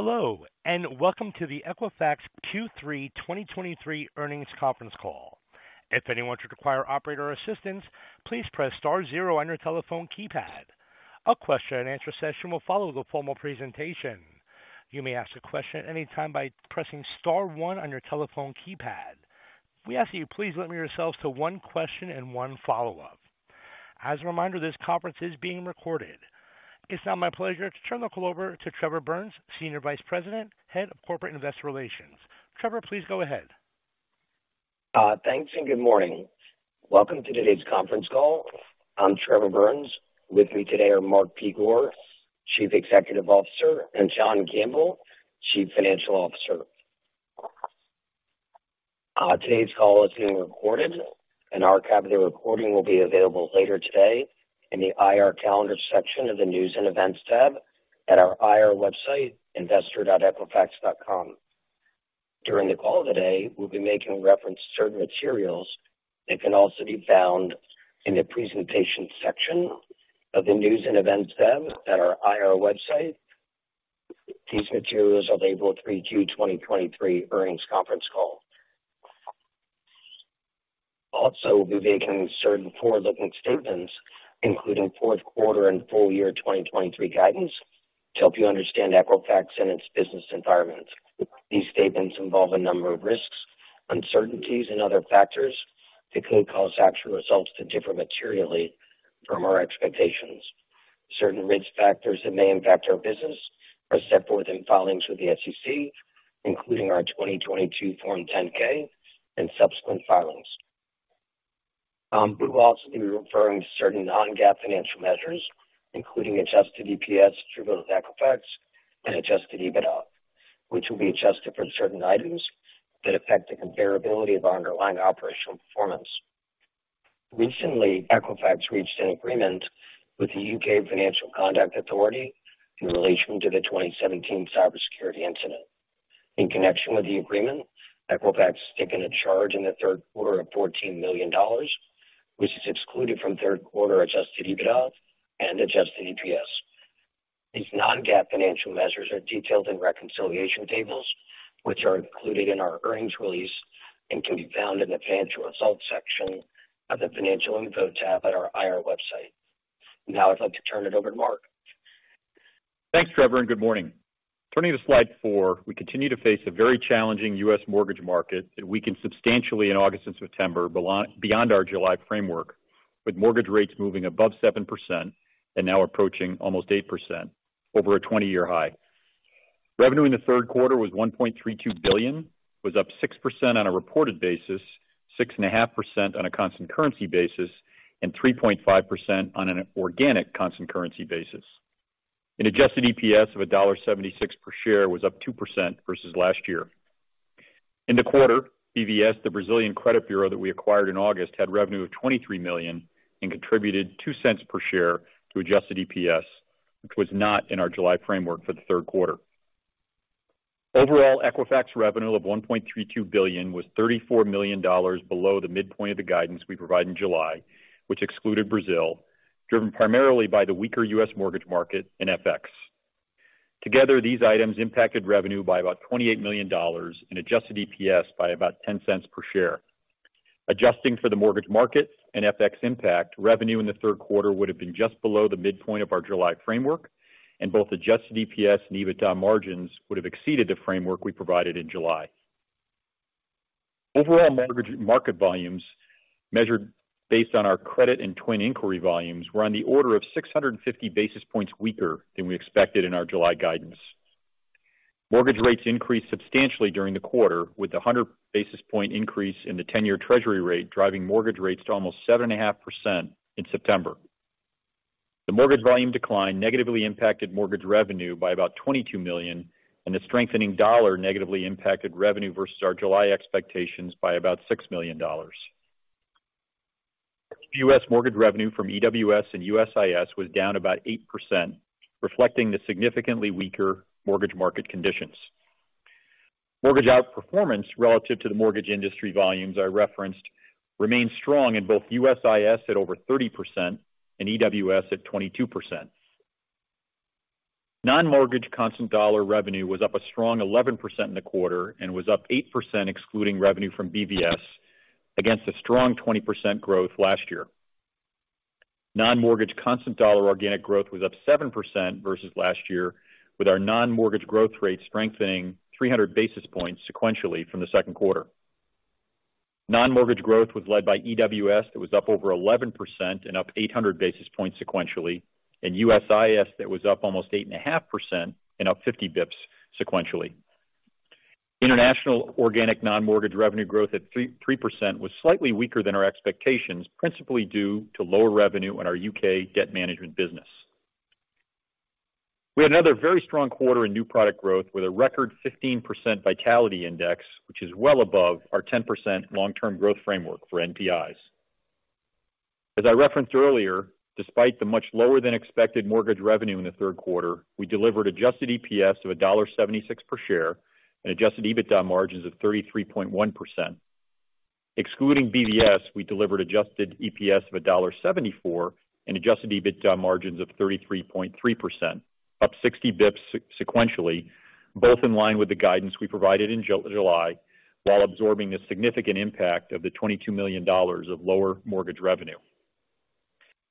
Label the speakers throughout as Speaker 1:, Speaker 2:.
Speaker 1: Hello, and welcome to the Equifax Q3 2023 earnings conference call. If anyone should require operator assistance, please press star zero on your telephone keypad. A question-and-answer session will follow the formal presentation. You may ask a question at any time by pressing star one on your telephone keypad. We ask that you please limit yourselves to one question and one follow-up. As a reminder, this conference is being recorded. It's now my pleasure to turn the call over to Trevor Burns, Senior Vice President, Head of Corporate Investor Relations. Trevor, please go ahead.
Speaker 2: Thanks, and good morning. Welcome to today's conference call. I'm Trevor Burns. With me today are Mark Begor, Chief Executive Officer, and John Gamble, Chief Financial Officer. Today's call is being recorded, and our copy of the recording will be available later today in the IR Calendar section of the News and Events tab at our IR website, investor.equifax.com. During the call today, we'll be making reference to certain materials that can also be found in the Presentation section of the News and Events tab at our IR website. These materials are labeled Q3 2023 Earnings Conference Call. Also, we'll be making certain forward-looking statements, including Q4 and full year 2023 guidance, to help you understand Equifax and its business environment. These statements involve a number of risks, uncertainties, and other factors that could cause actual results to differ materially from our expectations. Certain risk factors that may impact our business are set forth in filings with the SEC, including our 2022 Form 10-K and subsequent filings. We will also be referring to certain non-GAAP financial measures, including adjusted EPS attributable to Equifax and adjusted EBITDA, which will be adjusted for certain items that affect the comparability of our underlying operational performance. Recently, Equifax reached an agreement with the U.K. Financial Conduct Authority in relation to the 2017 cybersecurity incident. In connection with the agreement, Equifax has taken a charge in the Q3 of $14 million, which is excluded from Q3 adjusted EBITDA and adjusted EPS. These non-GAAP financial measures are detailed in reconciliation tables, which are included in our earnings release and can be found in the Financial Results section of the Financial Info tab at our IR website. Now I'd like to turn it over to Mark.
Speaker 3: Thanks, Trevor, and good morning. Turning to slide 4, we continue to face a very challenging U.S. mortgage market that weakened substantially in August and September, beyond our July framework, with mortgage rates moving above 7% and now approaching almost 8% over a 20-year high. Revenue in the Q3 was $1.32 billion, was up 6% on a reported basis, 6.5% on a constant currency basis, and 3.5% on an organic constant currency basis. An adjusted EPS of $1.76 per share was up 2% versus last year. In the quarter, BVS, the Brazilian credit bureau that we acquired in August, had revenue of $23 million and contributed $0.02 per share to adjusted EPS, which was not in our July framework for the Q3. Overall, Equifax revenue of $1.32 billion was $34 million below the midpoint of the guidance we provided in July, which excluded Brazil, driven primarily by the weaker U.S. mortgage market and FX. Together, these items impacted revenue by about $28 million and adjusted EPS by about $0.10 per share. Adjusting for the mortgage market and FX impact, revenue in the Q3 would have been just below the midpoint of our July framework, and both adjusted EPS and EBITDA margins would have exceeded the framework we provided in July. Overall mortgage market volumes, measured based on our credit and TWN inquiry volumes, were on the order of 650 basis points weaker than we expected in our July guidance. Mortgage rates increased substantially during the quarter, with a 100 basis point increase in the 10-year Treasury Rate, driving mortgage rates to almost 7.5% in September. The mortgage volume decline negatively impacted mortgage revenue by about $22 million, and the strengthening dollar negatively impacted revenue versus our July expectations by about $6 million. U.S. mortgage revenue from EWS and USIS was down about 8%, reflecting the significantly weaker mortgage market conditions. Mortgage outperformance relative to the mortgage industry volumes I referenced remains strong in both USIS at over 30% and EWS at 22%. Non-mortgage constant dollar revenue was up a strong 11% in the quarter and was up 8%, excluding revenue from BVS, against a strong 20% growth last year. Non-mortgage constant dollar organic growth was up 7% versus last year, with our non-mortgage growth rate strengthening 300 basis points sequentially from the Q2. Non-mortgage growth was led by EWS, that was up over 11% and up 800 basis points sequentially, and USIS, that was up almost 8.5% and up 50 basis points sequentially. International organic non-mortgage revenue growth at 3.3% was slightly weaker than our expectations, principally due to lower revenue in our U.K. debt management business. We had another very strong quarter in new product growth, with a record 15% Vitality Index, which is well above our 10% long-term growth framework for NPIs. As I referenced earlier, despite the much lower than expected mortgage revenue in the Q3, we delivered adjusted EPS of $1.76 per share and adjusted EBITDA margins of 33.1%.... excluding BVS, we delivered adjusted EPS of $1.74 and adjusted EBITDA margins of 33.3%, up 60 basis points sequentially, both in line with the guidance we provided in July, while absorbing the significant impact of the $22 million of lower mortgage revenue.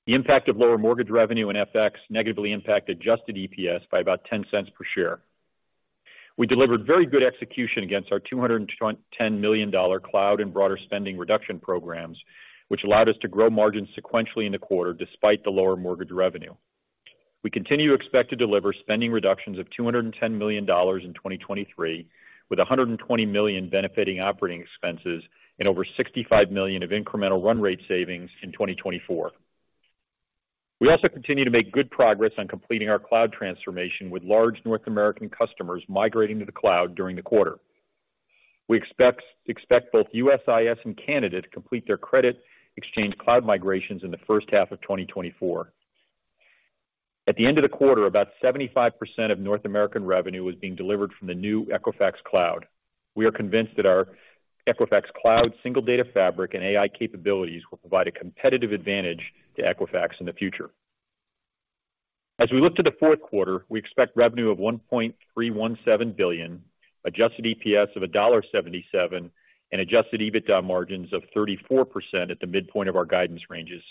Speaker 3: The impact of lower mortgage revenue and FX negatively impacted adjusted EPS by about $0.10 per share. We delivered very good execution against our $210 million dollar cloud and broader spending reduction programs, which allowed us to grow margins sequentially in the quarter despite the lower mortgage revenue. We continue to expect to deliver spending reductions of $210 million in 2023, with $120 million benefiting operating expenses and over $65 million of incremental run rate savings in 2024. We also continue to make good progress on completing our cloud transformation, with large North American customers migrating to the cloud during the quarter. We expect both USIS and Canada to complete their credit exchange cloud migrations in the H1 of 2024. At the end of the quarter, about 75% of North American revenue was being delivered from the new Equifax Cloud. We are convinced that our Equifax Cloud, single data fabric and AI capabilities will provide a competitive advantage to Equifax in the future. As we look to the Q4, we expect revenue of $1.317 billion, adjusted EPS of $1.77, and adjusted EBITDA margins of 34% at the midpoint of our guidance ranges.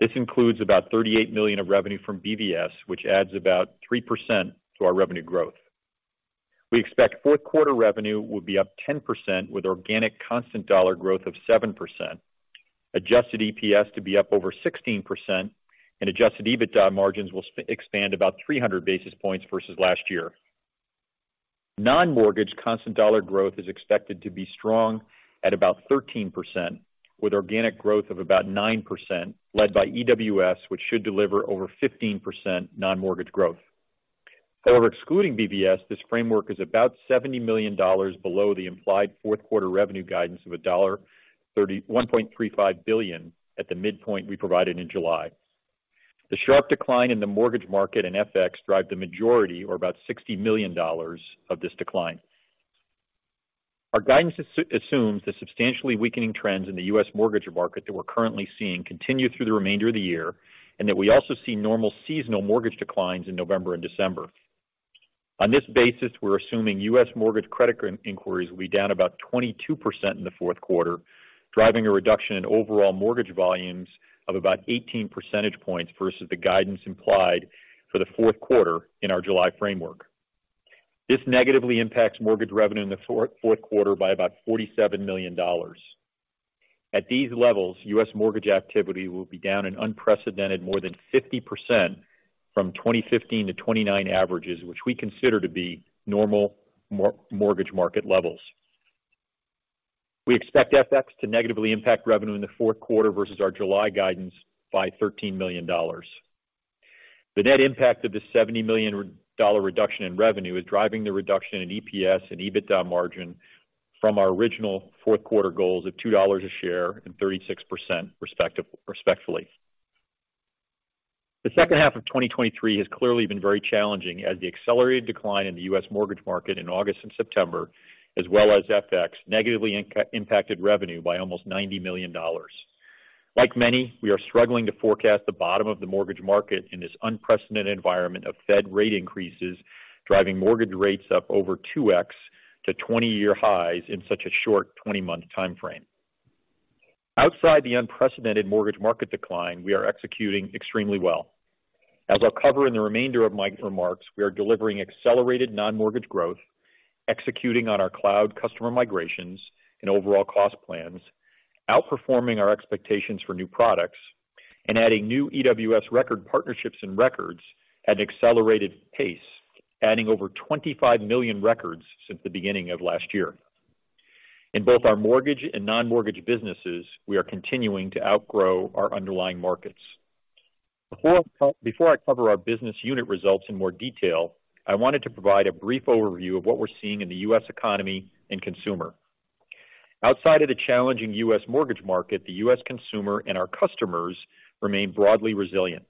Speaker 3: This includes about $38 million of revenue from BVS, which adds about 3% to our revenue growth. We expect Q4 revenue will be up 10%, with organic constant dollar growth of 7%, adjusted EPS to be up over 16%, and adjusted EBITDA margins will expand about 300 basis points versus last year. Non-mortgage constant dollar growth is expected to be strong at about 13%, with organic growth of about 9% led by EWS, which should deliver over 15% non-mortgage growth. However, excluding BVS, this framework is about $70 million below the implied Q4 revenue guidance of $1.35 billion at the midpoint we provided in July. The sharp decline in the mortgage market and FX drive the majority, or about $60 million of this decline. Our guidance assumes the substantially weakening trends in the U.S. mortgage market that we're currently seeing continue through the remainder of the year, and that we also see normal seasonal mortgage declines in November and December. On this basis, we're assuming U.S. mortgage credit inquiries will be down about 22% in the Q4, driving a reduction in overall mortgage volumes of about 18 percentage points versus the guidance implied for the Q4 in our July framework. This negatively impacts mortgage revenue in the Q4 by about $47 million. At these levels, U.S. mortgage activity will be down an unprecedented more than 50% from 2015-2029 averages, which we consider to be normal mortgage market levels. We expect FX to negatively impact revenue in the Q4 versus our July guidance by $13 million. The net impact of the $70 million dollar reduction in revenue is driving the reduction in EPS and EBITDA margin from our original Q4 goals of $2 a share and 36%, respectively. The H2 of 2023 has clearly been very challenging as the accelerated decline in the U.S. mortgage market in August and September, as well as FX, negatively impacted revenue by almost $90 million. Like many, we are struggling to forecast the bottom of the mortgage market in this unprecedented environment of Fed rate increases, driving mortgage rates up over 2x to 20-year highs in such a short 20-month time frame. Outside the unprecedented mortgage market decline, we are executing extremely well. As I'll cover in the remainder of my remarks, we are delivering accelerated non-mortgage growth, executing on our cloud customer migrations and overall cost plans, outperforming our expectations for new products, and adding new EWS record partnerships and records at an accelerated pace, adding over 25 million records since the beginning of last year. In both our mortgage and non-mortgage businesses, we are continuing to outgrow our underlying markets. Before I cover our business unit results in more detail, I wanted to provide a brief overview of what we're seeing in the U.S. economy and consumer. Outside of the challenging U.S. mortgage market, the U.S. consumer and our customers remain broadly resilient.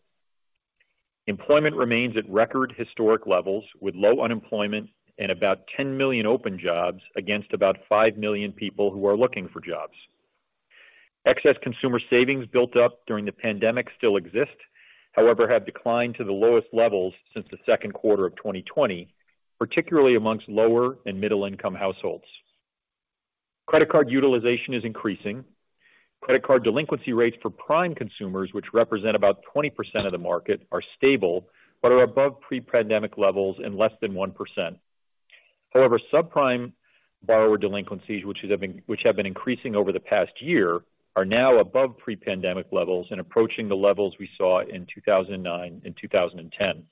Speaker 3: Employment remains at record historic levels, with low unemployment and about 10 million open jobs against about 5 million people who are looking for jobs. Excess consumer savings built up during the pandemic still exist, however, have declined to the lowest levels since the Q2 of 2020, particularly amongst lower and middle income households. Credit card utilization is increasing. Credit card delinquency rates for prime consumers, which represent about 20% of the market, are stable but are above pre-pandemic levels and less than 1%. However, subprime borrower delinquencies, which have been increasing over the past year, are now above pre-pandemic levels and approaching the levels we saw in 2009 and 2010.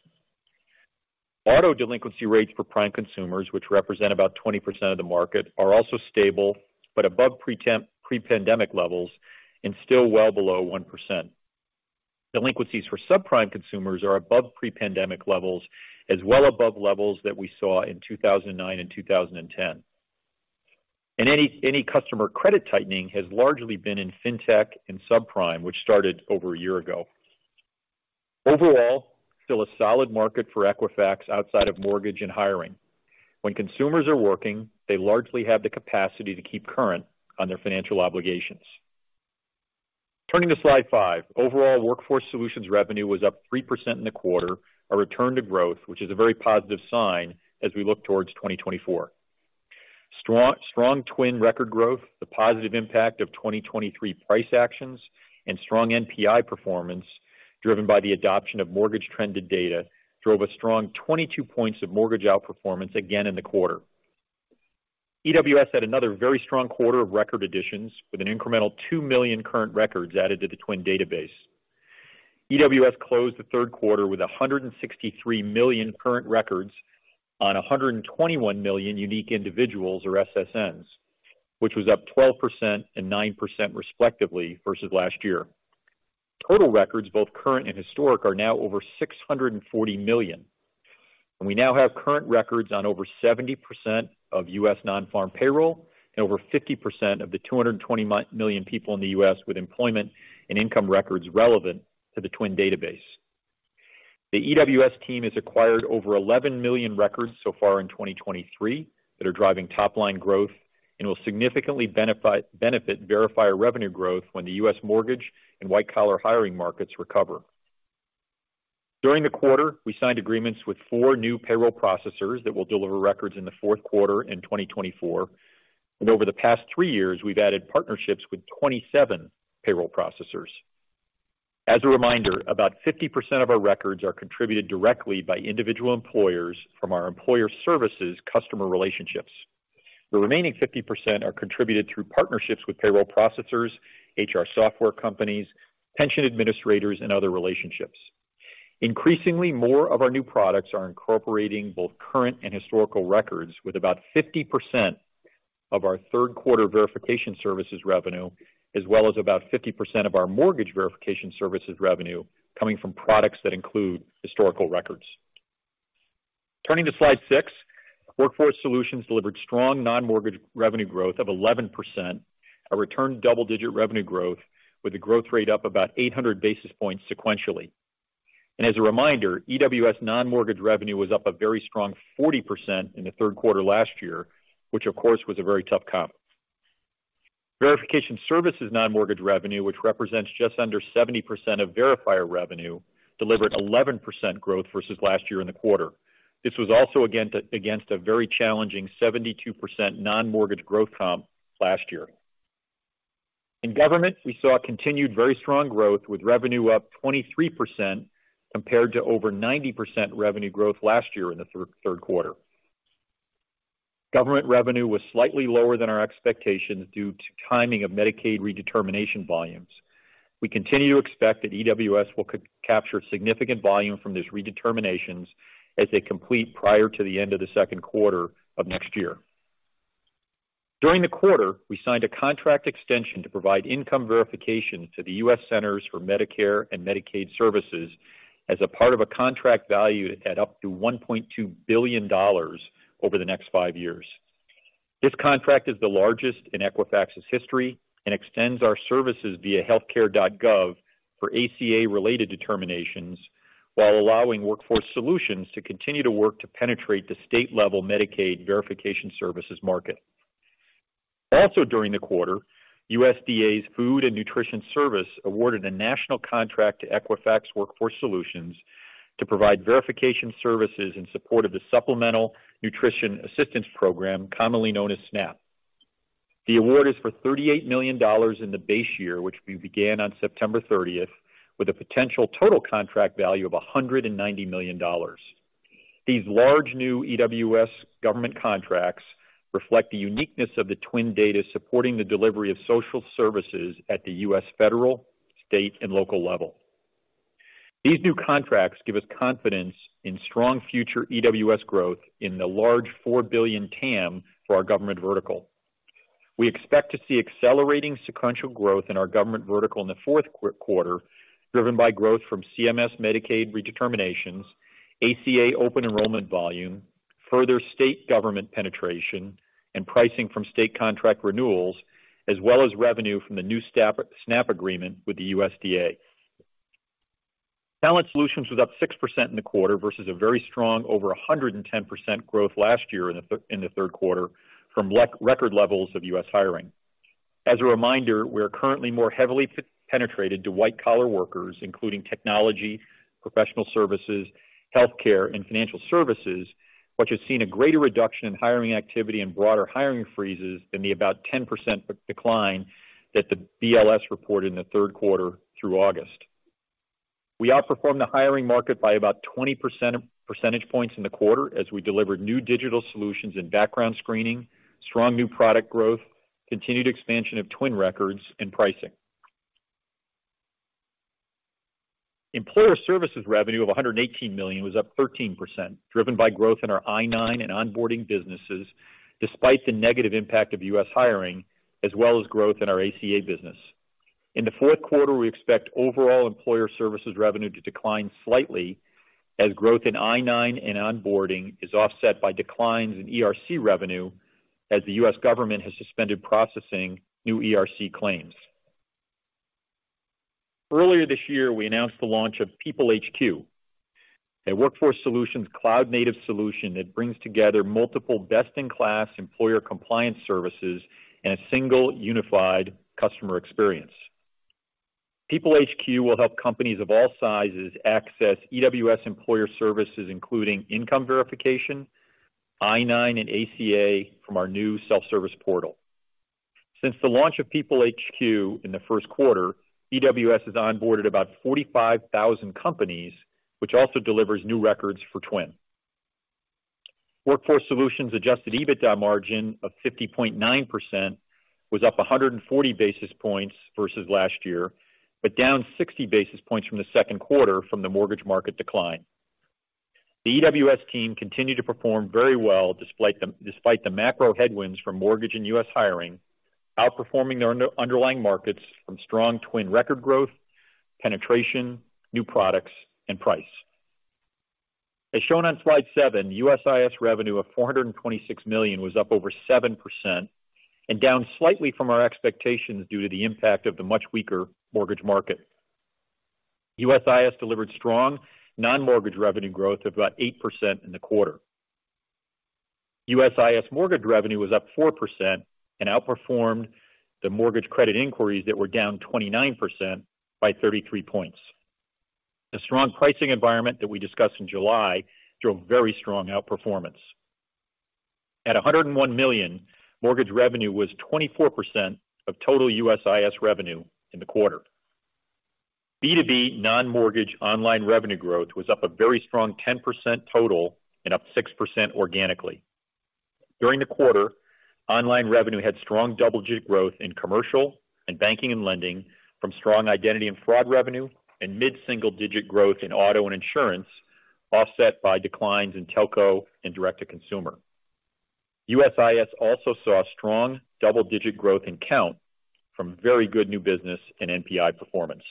Speaker 3: Auto delinquency rates for prime consumers, which represent about 20% of the market, are also stable, but above pre-pandemic levels and still well below 1%. Delinquencies for subprime consumers are above pre-pandemic levels, as well above levels that we saw in 2009 and 2010. And any customer credit tightening has largely been in fintech and subprime, which started over a year ago.... Overall, still a solid market for Equifax outside of mortgage and hiring. When consumers are working, they largely have the capacity to keep current on their financial obligations. Turning to slide 5. Overall, Workforce Solutions revenue was up 3% in the quarter, a return to growth, which is a very positive sign as we look towards 2024. Strong, strong TWN record growth, the positive impact of 2023 price actions and strong NPI performance, driven by the adoption of mortgage trended data, drove a strong 22 points of mortgage outperformance again in the quarter. EWS had another very strong quarter of record additions, with an incremental 2 million current records added to the TWN database. EWS closed the Q3 with 163 million current records on 121 million unique individuals or SSNs, which was up 12% and 9% respectively versus last year. Total records, both current and historic, are now over 640 million, and we now have current records on over 70% of U.S. non-farm payroll and over 50% of the 220 million people in the U.S. with employment and income records relevant to the TWN database. The EWS team has acquired over 11 million records so far in 2023, that are driving top line growth and will significantly benefit verifier revenue growth when the U.S. mortgage and white-collar hiring markets recover. During the quarter, we signed agreements with four new payroll processors that will deliver records in the Q4 in 2024, and over the past three years, we've added partnerships with 27 payroll processors. As a reminder, about 50% of our records are contributed directly by individual employers from our employer services customer relationships. The remaining 50% are contributed through partnerships with payroll processors, HR software companies, pension administrators, and other relationships. Increasingly, more of our new products are incorporating both current and historical records, with about 50% of our Q3 verification services revenue, as well as about 50% of our mortgage verification services revenue, coming from products that include historical records. Turning to slide 6. Workforce Solutions delivered strong non-mortgage revenue growth of 11%, a return to double-digit revenue growth, with a growth rate up about 800 basis points sequentially. And as a reminder, EWS non-mortgage revenue was up a very strong 40% in the Q3 last year, which of course, was a very tough comp. Verification services non-mortgage revenue, which represents just under 70% of verification revenue, delivered 11% growth versus last year in the quarter. This was also against a very challenging 72% non-mortgage growth comp last year. In government, we saw continued very strong growth, with revenue up 23% compared to over 90% revenue growth last year in the Q3. Government revenue was slightly lower than our expectations due to timing of Medicaid redetermination volumes. We continue to expect that EWS will capture significant volume from these redeterminations as they complete prior to the end of the Q2 of next year. During the quarter, we signed a contract extension to provide income verification to the U.S. Centers for Medicare and Medicaid Services as a part of a contract valued at up to $1.2 billion over the next five years. This contract is the largest in Equifax's history and extends our services via healthcare.gov for ACA-related determinations, while allowing Workforce Solutions to continue to work to penetrate the state-level Medicaid verification services market. Also, during the quarter, USDA's Food and Nutrition Service awarded a national contract to Equifax Workforce Solutions to provide verification services in support of the Supplemental Nutrition Assistance Program, commonly known as SNAP. The award is for $38 million in the base year, which we began on September 30th, with a potential total contract value of $190 million. These large new EWS government contracts reflect the uniqueness of the TWN data, supporting the delivery of social services at the U.S. federal, state, and local level. These new contracts give us confidence in strong future EWS growth in the large 4 billion TAM for our government vertical. We expect to see accelerating sequential growth in our government vertical in the Q4, driven by growth from CMS Medicaid redeterminations, ACA open enrollment volume, further state government penetration and pricing from state contract renewals, as well as revenue from the new SNAP agreement with the USDA. Talent Solutions was up 6% in the quarter versus a very strong over 110% growth last year in the Q3 from record levels of U.S. hiring. As a reminder, we are currently more heavily penetrated to white-collar workers, including technology, professional services, healthcare, and financial services, which has seen a greater reduction in hiring activity and broader hiring freezes than the about 10% decline that the BLS reported in the Q3 through August. We outperformed the hiring market by about 20 percentage points in the quarter as we delivered new digital solutions in background screening, strong new product growth, continued expansion of TWN records, and pricing. Employer services revenue of $118 million was up 13%, driven by growth in our I-9 and onboarding businesses, despite the negative impact of U.S. hiring, as well as growth in our ACA business. In the Q4, we expect overall employer services revenue to decline slightly, as growth in I-9 and onboarding is offset by declines in ERC revenue, as the U.S. government has suspended processing new ERC claims. Earlier this year, we announced the launch of PeopleHQ, a workforce solutions cloud-native solution that brings together multiple best-in-class employer compliance services in a single unified customer experience. PeopleHQ will help companies of all sizes access EWS employer services, including income verification, I-9, and ACA from our new self-service portal. Since the launch of PeopleHQ in the Q1, EWS has onboarded about 45,000 companies, which also delivers new records for TWN. Workforce Solutions adjusted EBITDA margin of 50.9% was up 140 basis points versus last year, but down 60 basis points from the Q2 from the mortgage market decline. The EWS team continued to perform very well, despite the macro headwinds from mortgage and US hiring, outperforming their underlying markets from strong TWN record growth, penetration, new products, and price. As shown on slide 7, USIS revenue of $426 million was up over 7% and down slightly from our expectations due to the impact of the much weaker mortgage market. USIS delivered strong non-mortgage revenue growth of about 8% in the quarter. USIS mortgage revenue was up 4% and outperformed the mortgage credit inquiries that were down 29% by 33 points. The strong pricing environment that we discussed in July drove very strong outperformance. At $101 million, mortgage revenue was 24% of total USIS revenue in the quarter. B2B non-mortgage online revenue growth was up a very strong 10% total and up 6% organically. During the quarter, online revenue had strong double-digit growth in commercial and banking and lending from strong identity and fraud revenue, and mid-single-digit growth in auto and insurance, offset by declines in telco and direct-to-consumer. USIS also saw strong double-digit growth in count from very good new business and NPI performance.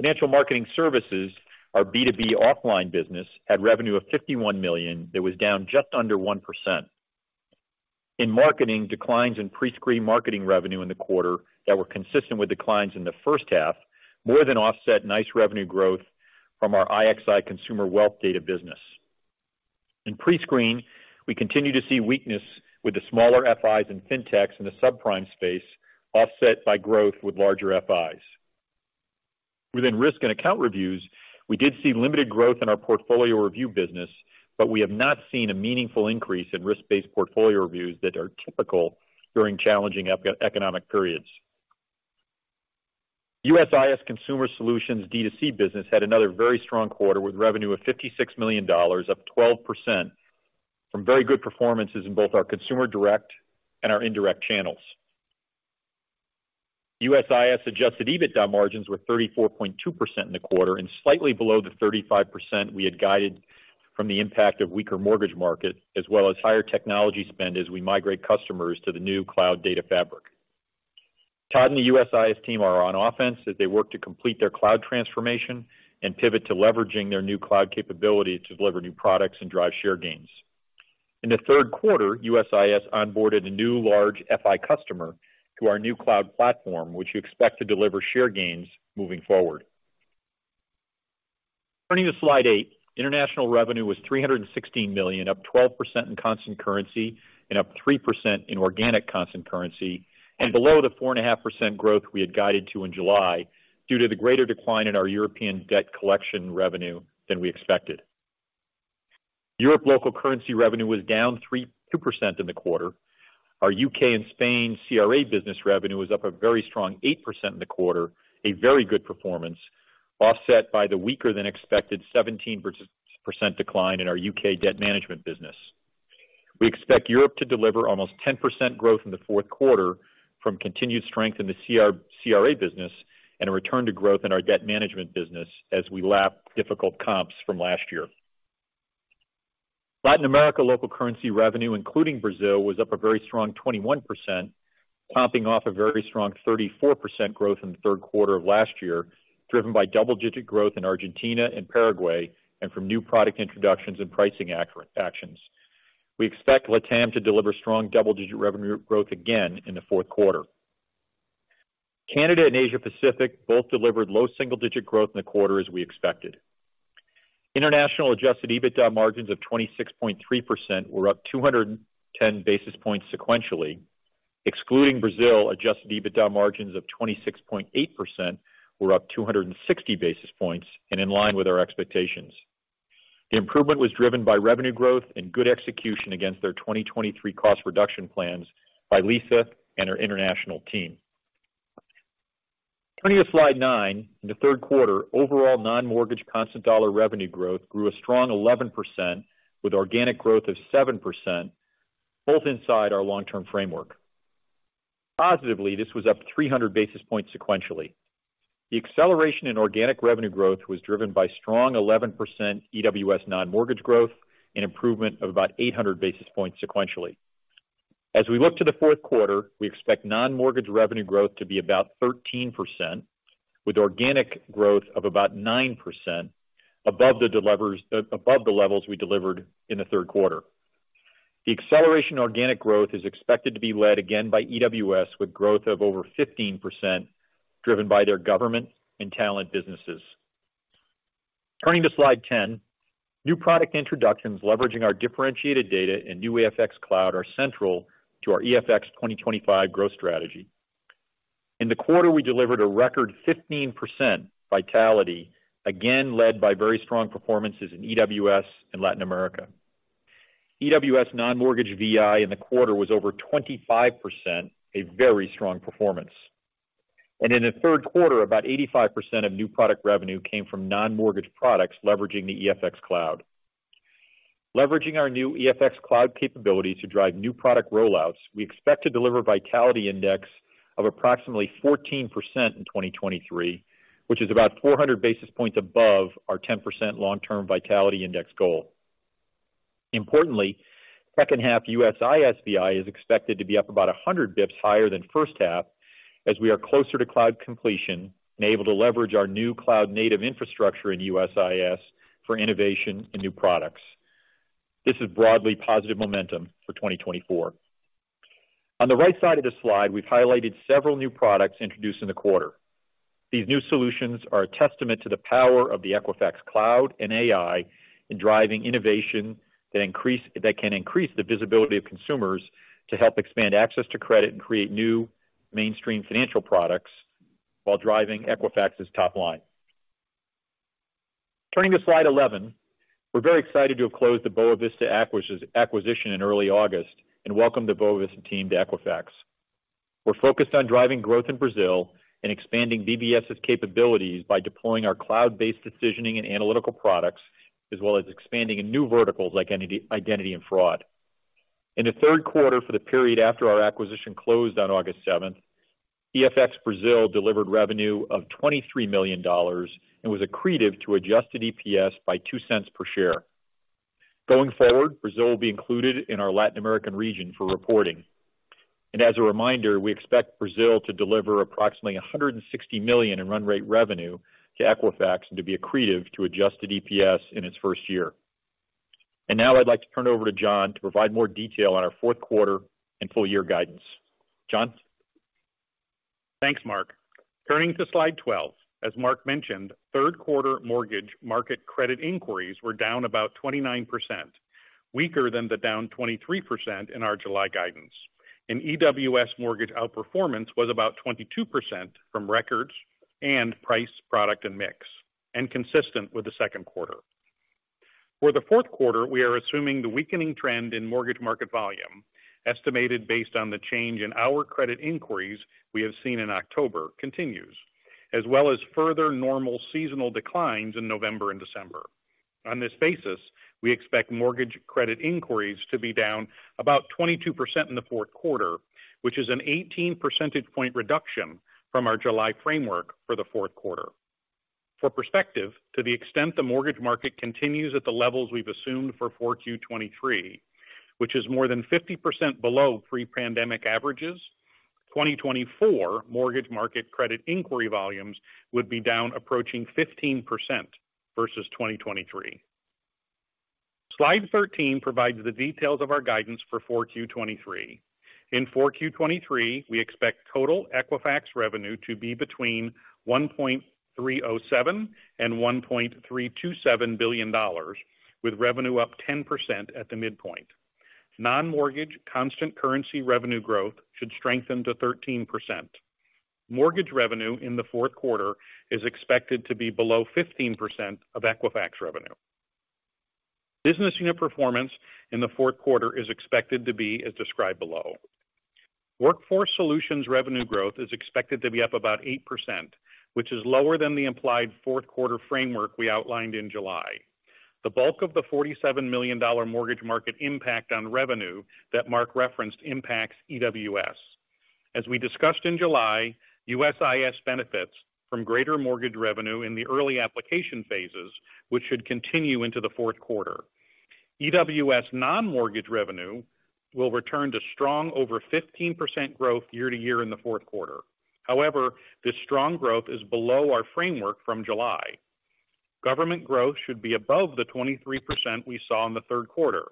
Speaker 3: Financial Marketing Services, our B2B offline business, had revenue of $51 million that was down just under 1%. In marketing, declines in prescreen marketing revenue in the quarter that were consistent with declines in the H1, more than offset nice revenue growth from our IXI consumer wealth data business. In prescreen, we continue to see weakness with the smaller FIs and Fintechs in the subprime space, offset by growth with larger FIs. Within risk and account reviews, we did see limited growth in our portfolio review business, but we have not seen a meaningful increase in risk-based portfolio reviews that are typical during challenging economic periods. USIS Consumer Solutions' D2C business had another very strong quarter, with revenue of $56 million, up 12% from very good performances in both our consumer direct and our indirect channels. USIS adjusted EBITDA margins were 34.2% in the quarter and slightly below the 35% we had guided from the impact of weaker mortgage market, as well as higher technology spend as we migrate customers to the new cloud data fabric. Todd and the USIS team are on offense as they work to complete their cloud transformation and pivot to leveraging their new cloud capability to deliver new products and drive share gains. In the Q3, USIS onboarded a new large FI customer to our new cloud platform, which we expect to deliver share gains moving forward. Turning to slide 8. International revenue was $316 million, up 12% in constant currency and up 3% in organic constant currency, and below the 4.5% growth we had guided to in July due to the greater decline in our European debt collection revenue than we expected. Europe local currency revenue was down 2% in the quarter. Our U.K and Spain CRA business revenue was up a very strong 8% in the quarter, a very good performance, offset by the weaker-than-expected 17% decline in our U.K. debt management business. We expect Europe to deliver almost 10% growth in the Q4 from continued strength in the CRA business and a return to growth in our debt management business as we lap difficult comps from last year. Latin America local currency revenue, including Brazil, was up a very strong 21%, topping off a very strong 34% growth in the Q3 of last year, driven by double-digit growth in Argentina and Paraguay and from new product introductions and pricing actions. We expect LATAM to deliver strong double-digit revenue growth again in the Q4. Canada and Asia Pacific both delivered low single-digit growth in the quarter, as we expected. International adjusted EBITDA margins of 26.3% were up 210 basis points sequentially. Excluding Brazil, adjusted EBITDA margins of 26.8% were up 260 basis points and in line with our expectations. The improvement was driven by revenue growth and good execution against their 2023 cost reduction plans by Lisa and her international team. Turning to slide 9, in the Q3, overall non-mortgage constant dollar revenue growth grew a strong 11%, with organic growth of 7%, both inside our long-term framework. Positively, this was up 300 basis points sequentially. The acceleration in organic revenue growth was driven by strong 11% EWS non-mortgage growth, an improvement of about 800 basis points sequentially. As we look to the Q4, we expect non-mortgage revenue growth to be about 13%, with organic growth of about 9% above the levels we delivered in the Q3. The acceleration organic growth is expected to be led again by EWS, with growth of over 15%, driven by their government and talent businesses. Turning to slide 10. New product introductions, leveraging our differentiated data and new EFX Cloud are central to our EFX 2025 growth strategy. In the quarter, we delivered a record 15% Vitality, again led by very strong performances in EWS and Latin America. EWS non-mortgage VI in the quarter was over 25%, a very strong performance. In the Q3, about 85% of new product revenue came from non-mortgage products, leveraging the EFX Cloud. Leveraging our new EFX Cloud capabilities to drive new product rollouts, we expect to deliver Vitality Index of approximately 14% in 2023, which is about 400 basis points above our 10% long-term Vitality Index goal. Importantly, second half USIS VI is expected to be up about 100 basis points higher than H1, as we are closer to cloud completion and able to leverage our new cloud-native infrastructure in USIS for innovation and new products. This is broadly positive momentum for 2024. On the right side of this slide, we've highlighted several new products introduced in the quarter. These new solutions are a testament to the power of the Equifax Cloud and AI in driving innovation that can increase the visibility of consumers to help expand access to credit and create new mainstream financial products while driving Equifax's top line. Turning to slide 11. We're very excited to have closed the Boa Vista acquisition in early August, and welcome the Boa Vista team to Equifax. We're focused on driving growth in Brazil and expanding BVS's capabilities by deploying our cloud-based decisioning and analytical products, as well as expanding in new verticals like identity and fraud. In the Q3, for the period after our acquisition closed on August 7, EFX Brazil delivered revenue of $23 million and was accretive to adjusted EPS by $0.02 per share. Going forward, Brazil will be included in our Latin American region for reporting. As a reminder, we expect Brazil to deliver approximately $160 million in run rate revenue to Equifax and to be accretive to adjusted EPS in its first year. Now I'd like to turn it over to John to provide more detail on our Q4 and full year guidance. John?
Speaker 4: Thanks, Mark. Turning to slide 12. As Mark mentioned, Q3 mortgage market credit inquiries were down about 29%, weaker than the down 23% in our July guidance. EWS mortgage outperformance was about 22% from records and price, product, and mix, and consistent with the Q2. For the Q4, we are assuming the weakening trend in mortgage market volume, estimated based on the change in our credit inquiries we have seen in October, continues, as well as further normal seasonal declines in November and December. On this basis, we expect mortgage credit inquiries to be down about 22% in the Q4, which is an 18 percentage point reduction from our July framework for the Q4. For perspective, to the extent the mortgage market continues at the levels we've assumed for 4Q23, which is more than 50% below pre-pandemic averages, 2024 mortgage market credit inquiry volumes would be down approaching 15% versus 2023. Slide 13 provides the details of our guidance for 4Q23. In Q4 2023, we expect total Equifax revenue to be between $1.307 billion and $1.327 billion, with revenue up 10% at the midpoint. Non-mortgage constant currency revenue growth should strengthen to 13%. Mortgage revenue in the Q4 is expected to be below 15% of Equifax revenue. Business unit performance in the Q4 is expected to be as described below. Workforce Solutions revenue growth is expected to be up about 8%, which is lower than the implied Q4 framework we outlined in July. The bulk of the $47 million mortgage market impact on revenue that Mark referenced impacts EWS. As we discussed in July, USIS benefits from greater mortgage revenue in the early application phases, which should continue into the Q4. EWS non-mortgage revenue will return to strong over 15% growth year-over-year in the Q4. However, this strong growth is below our framework from July. Government growth should be above the 23% we saw in the Q3,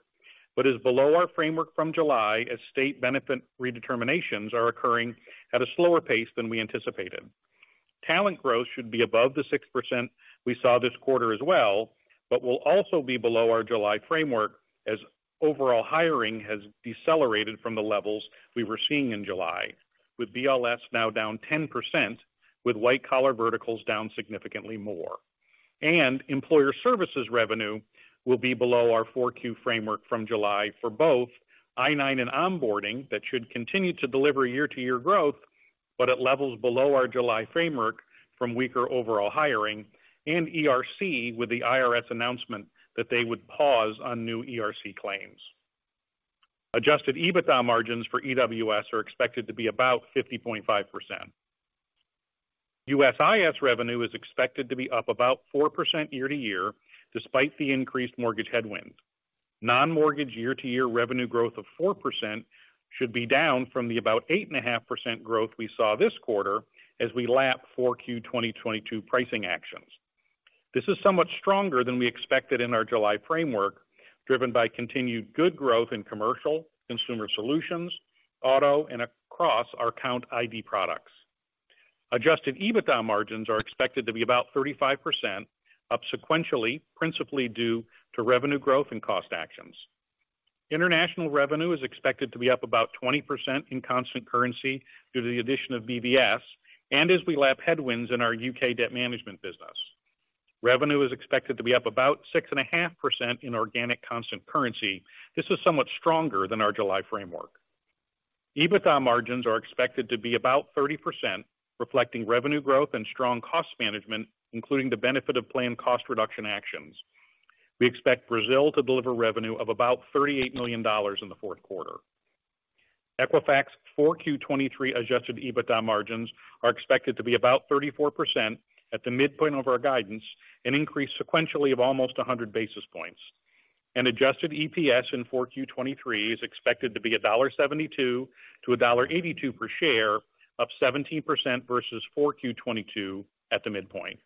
Speaker 4: but is below our framework from July, as state benefit redeterminations are occurring at a slower pace than we anticipated. Talent growth should be above the 6% we saw this quarter as well, but will also be below our July framework as overall hiring has decelerated from the levels we were seeing in July, with BLS now down 10%, with white-collar verticals down significantly more. Employer services revenue will be below our Q4 framework from July for both I-9 and onboarding that should continue to deliver year-to-year growth, but at levels below our July framework from weaker overall hiring and ERC, with the IRS announcement that they would pause on new ERC claims. Adjusted EBITDA margins for EWS are expected to be about 50.5%. USIS revenue is expected to be up about 4% year-to-year, despite the increased mortgage headwinds. Non-mortgage year-to-year revenue growth of 4% should be down from the about 8.5% growth we saw this quarter as we lap Q4 2022 pricing actions. This is somewhat stronger than we expected in our July framework, driven by continued good growth in commercial, consumer solutions, auto, and across our account ID products. Adjusted EBITDA margins are expected to be about 35%, up sequentially, principally due to revenue growth and cost actions. International revenue is expected to be up about 20% in constant currency due to the addition of BVS and as we lap headwinds in our UK debt management business. Revenue is expected to be up about 6.5% in organic constant currency. This is somewhat stronger than our July framework. EBITDA margins are expected to be about 30%, reflecting revenue growth and strong cost management, including the benefit of planned cost reduction actions. We expect Brazil to deliver revenue of about $38 million in the Q4. Equifax Q4 2023 adjusted EBITDA margins are expected to be about 34% at the midpoint of our guidance, an increase sequentially of almost 100 basis points, and adjusted EPS in Q4 2023 is expected to be $1.72-$1.82 per share, up 17% versus Q4 2022 at the midpoint.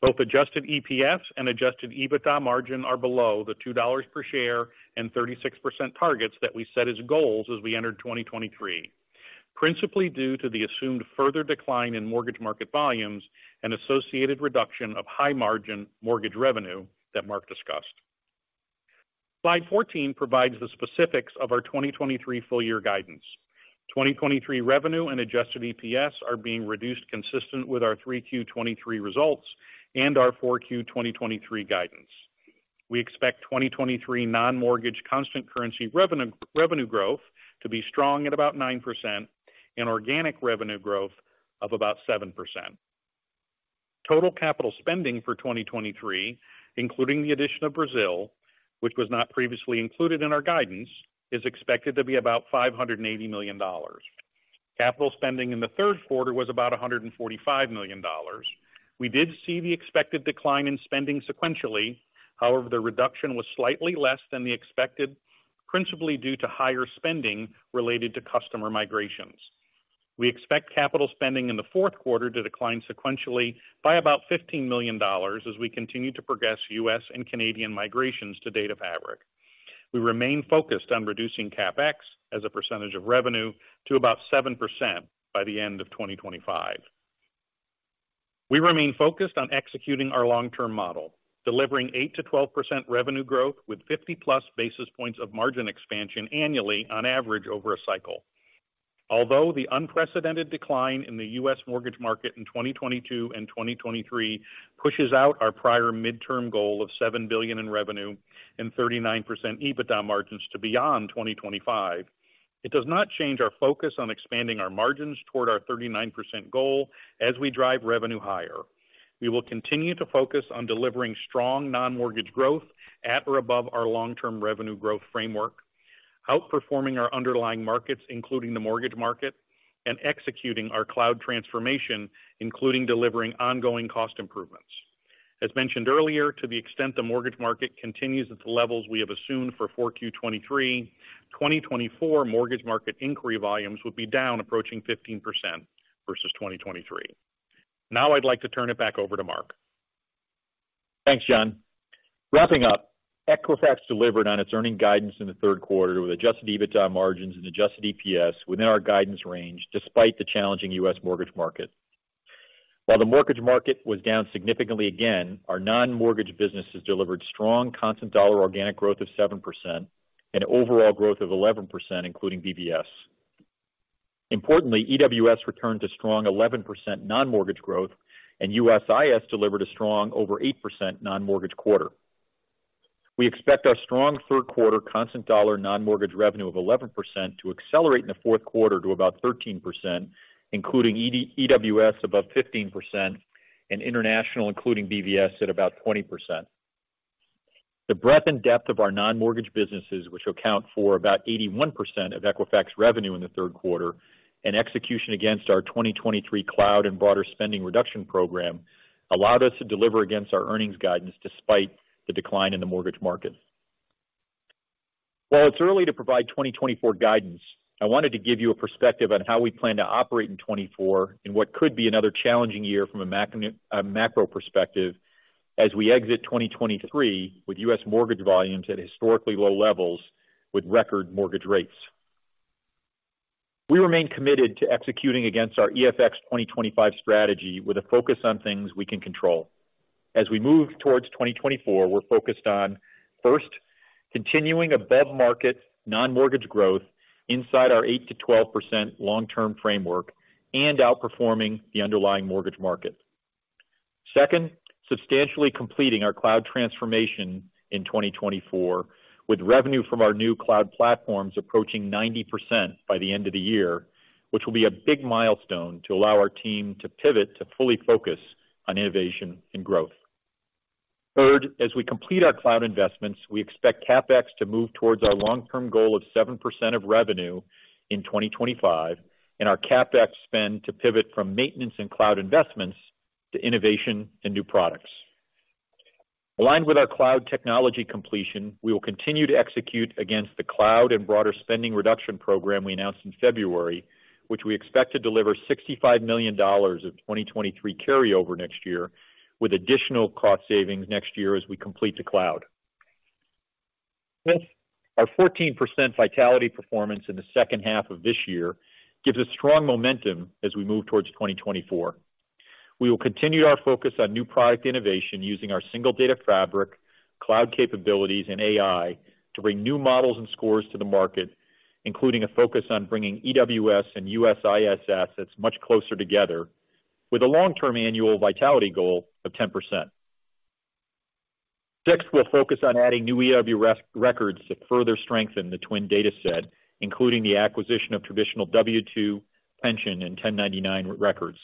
Speaker 4: Both adjusted EPS and adjusted EBITDA margin are below the $2 per share and 36% targets that we set as goals as we entered 2023, principally due to the assumed further decline in mortgage market volumes and associated reduction of high margin mortgage revenue that Mark discussed. Slide 14 provides the specifics of our 2023 full year guidance. 2023 revenue and adjusted EPS are being reduced consistent with our Q3 2023 results and our Q4 2023 guidance. We expect 2023 non-mortgage constant currency revenue growth to be strong at about 9% and organic revenue growth of about 7%. Total capital spending for 2023, including the addition of Brazil, which was not previously included in our guidance, is expected to be about $580 million. Capital spending in the Q3 was about $145 million. We did see the expected decline in spending sequentially. However, the reduction was slightly less than the expected, principally due to higher spending related to customer migrations. We expect capital spending in the Q4 to decline sequentially by about $15 million as we continue to progress U.S. and Canadian migrations to Data Fabric. We remain focused on reducing CapEx as a percentage of revenue to about 7% by the end of 2025. We remain focused on executing our long-term model, delivering 8%-12% revenue growth with 50+ basis points of margin expansion annually on average over a cycle. Although the unprecedented decline in the U.S. mortgage market in 2022 and 2023 pushes out our prior midterm goal of $7 billion in revenue and 39% EBITDA margins to beyond 2025, it does not change our focus on expanding our margins toward our 39% goal as we drive revenue higher. We will continue to focus on delivering strong non-mortgage growth at or above our long-term revenue growth framework, outperforming our underlying markets, including the mortgage market, and executing our cloud transformation, including delivering ongoing cost improvements. As mentioned earlier, to the extent the mortgage market continues at the levels we have assumed for Q4 2023, 2024 mortgage market inquiry volumes would be down approaching 15% versus 2023. Now I'd like to turn it back over to Mark.
Speaker 3: Thanks, John. Wrapping up, Equifax delivered on its earnings guidance in the Q3 with adjusted EBITDA margins and adjusted EPS within our guidance range, despite the challenging U.S. mortgage market. While the mortgage market was down significantly again, our non-mortgage businesses delivered strong constant dollar organic growth of 7% and overall growth of 11%, including BVS. Importantly, EWS returned to strong 11% non-mortgage growth, and USIS delivered a strong over 8% non-mortgage quarter. We expect our strong Q3 constant dollar non-mortgage revenue of 11% to accelerate in the Q4 to about 13%, including EWS above 15% and international, including BVS, at about 20%. The breadth and depth of our non-mortgage businesses, which account for about 81% of Equifax revenue in the Q3, and execution against our 2023 cloud and broader spending reduction program, allowed us to deliver against our earnings guidance despite the decline in the mortgage market. While it's early to provide 2024 guidance, I wanted to give you a perspective on how we plan to operate in 2024, in what could be another challenging year from a macro perspective, as we exit 2023 with U.S. mortgage volumes at historically low levels with record mortgage rates. We remain committed to executing against our EFX 2025 strategy with a focus on things we can control. As we move towards 2024, we're focused on, first, continuing above market non-mortgage growth inside our 8%-12% long-term framework and outperforming the underlying mortgage market. Second, substantially completing our cloud transformation in 2024, with revenue from our new cloud platforms approaching 90% by the end of the year, which will be a big milestone to allow our team to pivot to fully focus on innovation and growth. Third, as we complete our cloud investments, we expect CapEx to move towards our long-term goal of 7% of revenue in 2025, and our CapEx spend to pivot from maintenance and cloud investments to innovation and new products. Aligned with our cloud technology completion, we will continue to execute against the cloud and broader spending reduction program we announced in February, which we expect to deliver $65 million of 2023 carryover next year, with additional cost savings next year as we complete the cloud. Fifth, our 14% vitality performance in the second half of this year gives us strong momentum as we move towards 2024. We will continue our focus on new product innovation using our single data fabric, cloud capabilities, and AI to bring new models and scores to the market, including a focus on bringing EWS and USIS assets much closer together with a long-term annual vitality goal of 10%. 6th, we'll focus on adding new EWS records to further strengthen the TWN data set, including the acquisition of traditional W-2, pension, and 1099 records.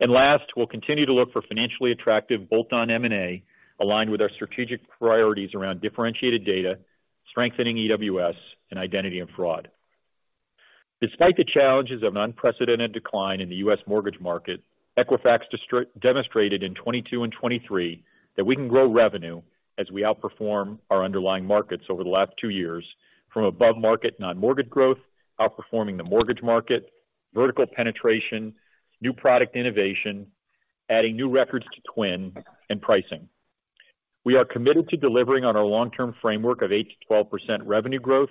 Speaker 3: Last, we'll continue to look for financially attractive bolt-on M&A aligned with our strategic priorities around differentiated data, strengthening EWS, and identity and fraud. Despite the challenges of an unprecedented decline in the U.S. mortgage market, Equifax demonstrated in 2022 and 2023 that we can grow revenue as we outperform our underlying markets over the last two years from above market non-mortgage growth, outperforming the mortgage market, vertical penetration, new product innovation, adding new records to TWN, and pricing. We are committed to delivering on our long-term framework of 8%-12% revenue growth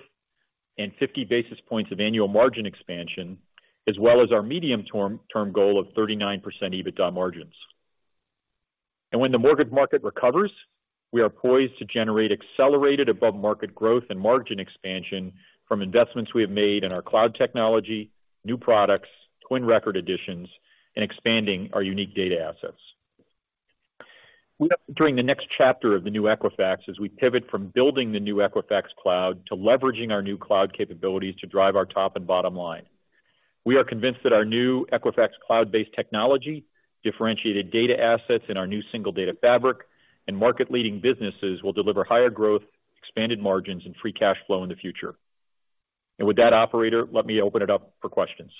Speaker 3: and 50 basis points of annual margin expansion, as well as our medium-term goal of 39% EBITDA margins. When the mortgage market recovers, we are poised to generate accelerated above-market growth and margin expansion from investments we have made in our cloud technology, new products, TWN record additions, and expanding our unique data assets. We enter the next chapter of the new Equifax as we pivot from building the new Equifax Cloud to leveraging our new cloud capabilities to drive our top and bottom line. We are convinced that our new Equifax Cloud-based technology, differentiated data assets in our new single data fabric, and market-leading businesses will deliver higher growth, expanded margins, and free cash flow in the future. With that, operator, let me open it up for questions.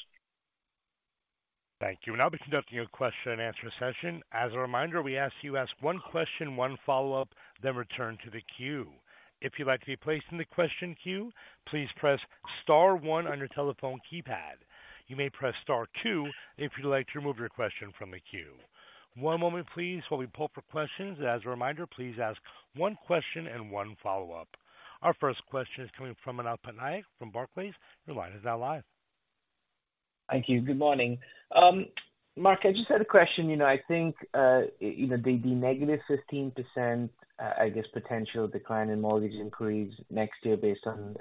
Speaker 1: Thank you. We'll now be conducting a question-and-answer session. As a reminder, we ask you ask one question, one follow-up, then return to the queue. If you'd like to be placed in the question queue, please press star one on your telephone keypad. You may press star two if you'd like to remove your question from the queue. One moment please, while we pull for questions. As a reminder, please ask one question and one follow-up. Our first question is coming from Manav Patnaik from Barclays. Your line is now live.
Speaker 5: Thank you. Good morning. Mark, I just had a question. You know, I think you know the negative 15%, I guess, potential decline in mortgage inquiries next year based on,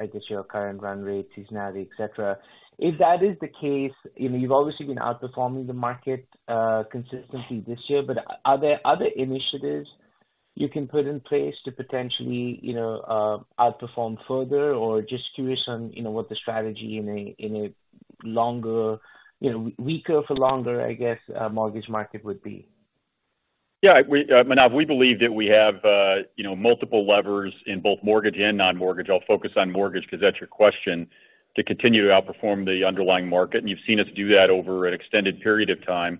Speaker 5: I guess, your current run rate, seasonality, et cetera. If that is the case, you know, you've obviously been outperforming the market consistently this year, but are there other initiatives you can put in place to potentially, you know, outperform further? Or just curious on, you know, what the strategy in a, in a longer, you know, weaker for longer, I guess, mortgage market would be.
Speaker 3: Yeah, we, Manav, we believe that we have, you know, multiple levers in both mortgage and non-mortgage. I'll focus on mortgage because that's your question, to continue to outperform the underlying market, and you've seen us do that over an extended period of time.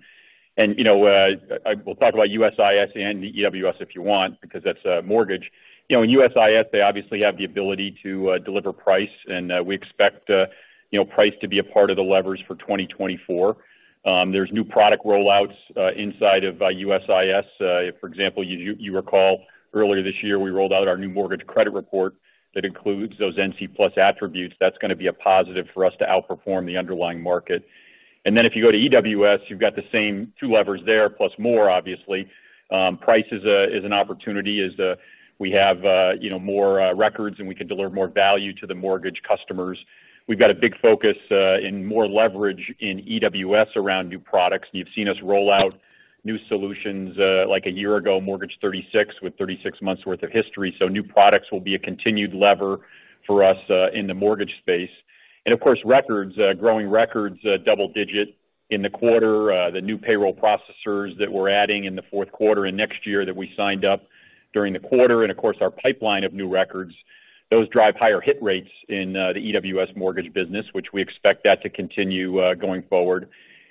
Speaker 3: You know, I will talk about USIS and EWS if you want, because that's mortgage. You know, in USIS, they obviously have the ability to deliver price, and we expect, you know, price to be a part of the levers for 2024. There's new product rollouts inside of USIS. For example, you recall earlier this year, we rolled out our new mortgage credit report that includes those NC Plus attributes. That's gonna be a positive for us to outperform the underlying market. Then if you go to EWS, you've got the same two levers there, plus more obviously. Price is an opportunity as we have you know more records, and we can deliver more value to the mortgage customers. We've got a big focus in more leverage in EWS around new products. You've seen us roll out new solutions like a year ago, Mortgage 36, with 36 months worth of history. So new products will be a continued lever for us in the mortgage space. And of course, records, growing records, double-digit in the quarter, the new payroll processors that we're adding in the Q4 and next year that we signed up during the quarter. Of course, our pipeline of new records, those drive higher hit rates in the EWS mortgage business, which we expect that to continue going forward.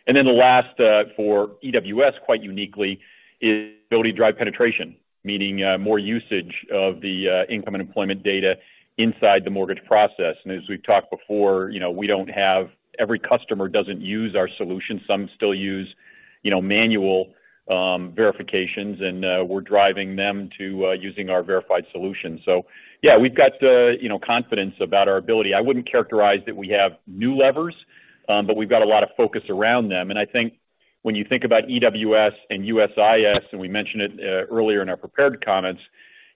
Speaker 3: Then the last for EWS, quite uniquely, is ability to drive penetration, meaning more usage of the income and employment data inside the mortgage process. And as we've talked before, you know, we don't have every customer doesn't use our solution. Some still use, you know, manual verifications, and we're driving them to using our verified solution. So yeah, we've got you know confidence about our ability. I wouldn't characterize that we have new levers, but we've got a lot of focus around them. And I think when you think about EWS and USIS, and we mentioned it earlier in our prepared comments,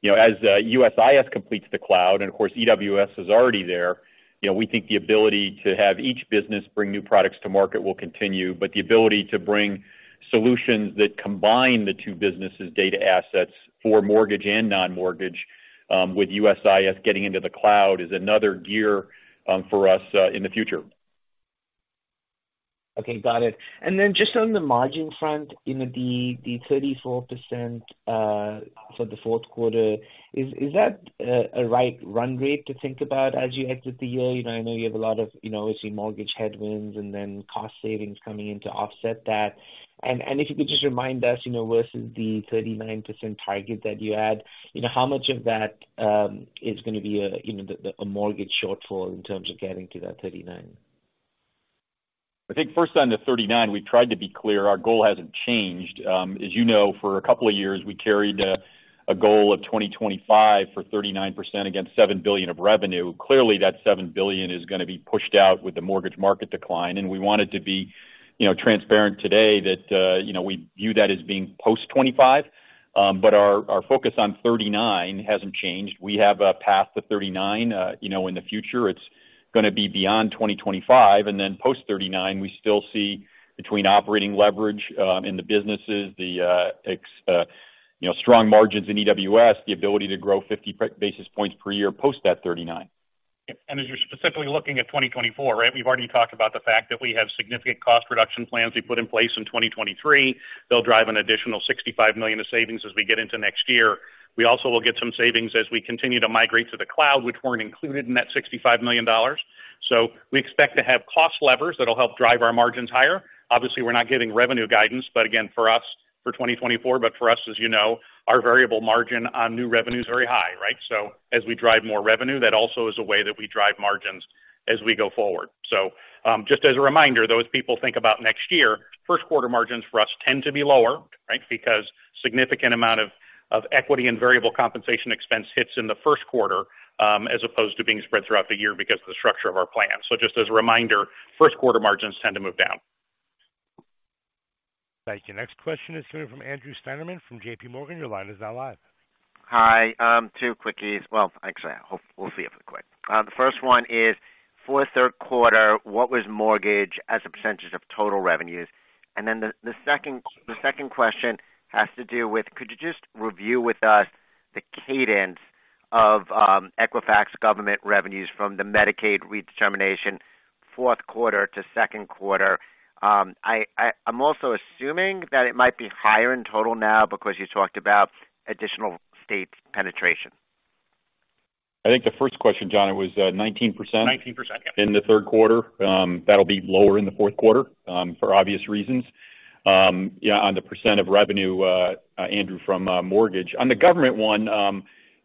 Speaker 3: you know, as USIS completes the cloud, and of course, EWS is already there, you know, we think the ability to have each business bring new products to market will continue. But the ability to bring solutions that combine the two businesses' data assets for mortgage and non-mortgage, with USIS getting into the cloud is another gear for us in the future....
Speaker 5: Okay, got it. And then just on the margin front, you know, the 34% for the Q4, is that a right run rate to think about as you head through the year? You know, I know you have a lot of, you know, obviously, mortgage headwinds and then cost savings coming in to offset that. And if you could just remind us, you know, versus the 39% target that you had, you know, how much of that is going to be a, you know, the, a mortgage shortfall in terms of getting to that 39%?
Speaker 3: I think first on the 39, we tried to be clear. Our goal hasn't changed. As you know, for a couple of years, we carried a goal of 2025 for 39% against $7 billion of revenue. Clearly, that $7 billion is going to be pushed out with the mortgage market decline, and we wanted to be, you know, transparent today that, you know, we view that as being post-2025. But our focus on 39 hasn't changed. We have a path to 39, you know, in the future. It's going to be beyond 2025, and then post-39, we still see between operating leverage in the businesses, the you know, strong margins in EWS, the ability to grow 50 basis points per year post that 39.
Speaker 4: As you're specifically looking at 2024, right? We've already talked about the fact that we have significant cost reduction plans we put in place in 2023. They'll drive an additional $65 million of savings as we get into next year. We also will get some savings as we continue to migrate to the cloud, which weren't included in that $65 million. So we expect to have cost levers that'll help drive our margins higher. Obviously, we're not giving revenue guidance, but again, for us, for 2024, but for us, as you know, our variable margin on new revenue is very high, right? So as we drive more revenue, that also is a way that we drive margins as we go forward. So, just as a reminder, those people think about next year, Q1 margins for us tend to be lower, right? Because significant amount of equity and variable compensation expense hits in the Q1, as opposed to being spread throughout the year because of the structure of our plan. So just as a reminder, Q1 margins tend to move down.
Speaker 1: Thank you. Next question is coming from Andrew Steinerman from JPMorgan. Your line is now live.
Speaker 6: Hi. Two quickies. Well, actually, we'll see if they're quick. The first one is, for the Q3, what was mortgage as a percentage of total revenues? And then the second question has to do with, could you just review with us the cadence of Equifax government revenues from the Medicaid redetermination, Q4 to Q2? I'm also assuming that it might be higher in total now because you talked about additional state penetration.
Speaker 3: I think the first question, John, it was 19%-
Speaker 4: Nineteen percent.
Speaker 3: In the Q3. That'll be lower in the Q4, for obvious reasons. Yeah, on the % of revenue, Andrew, from mortgage. On the government one,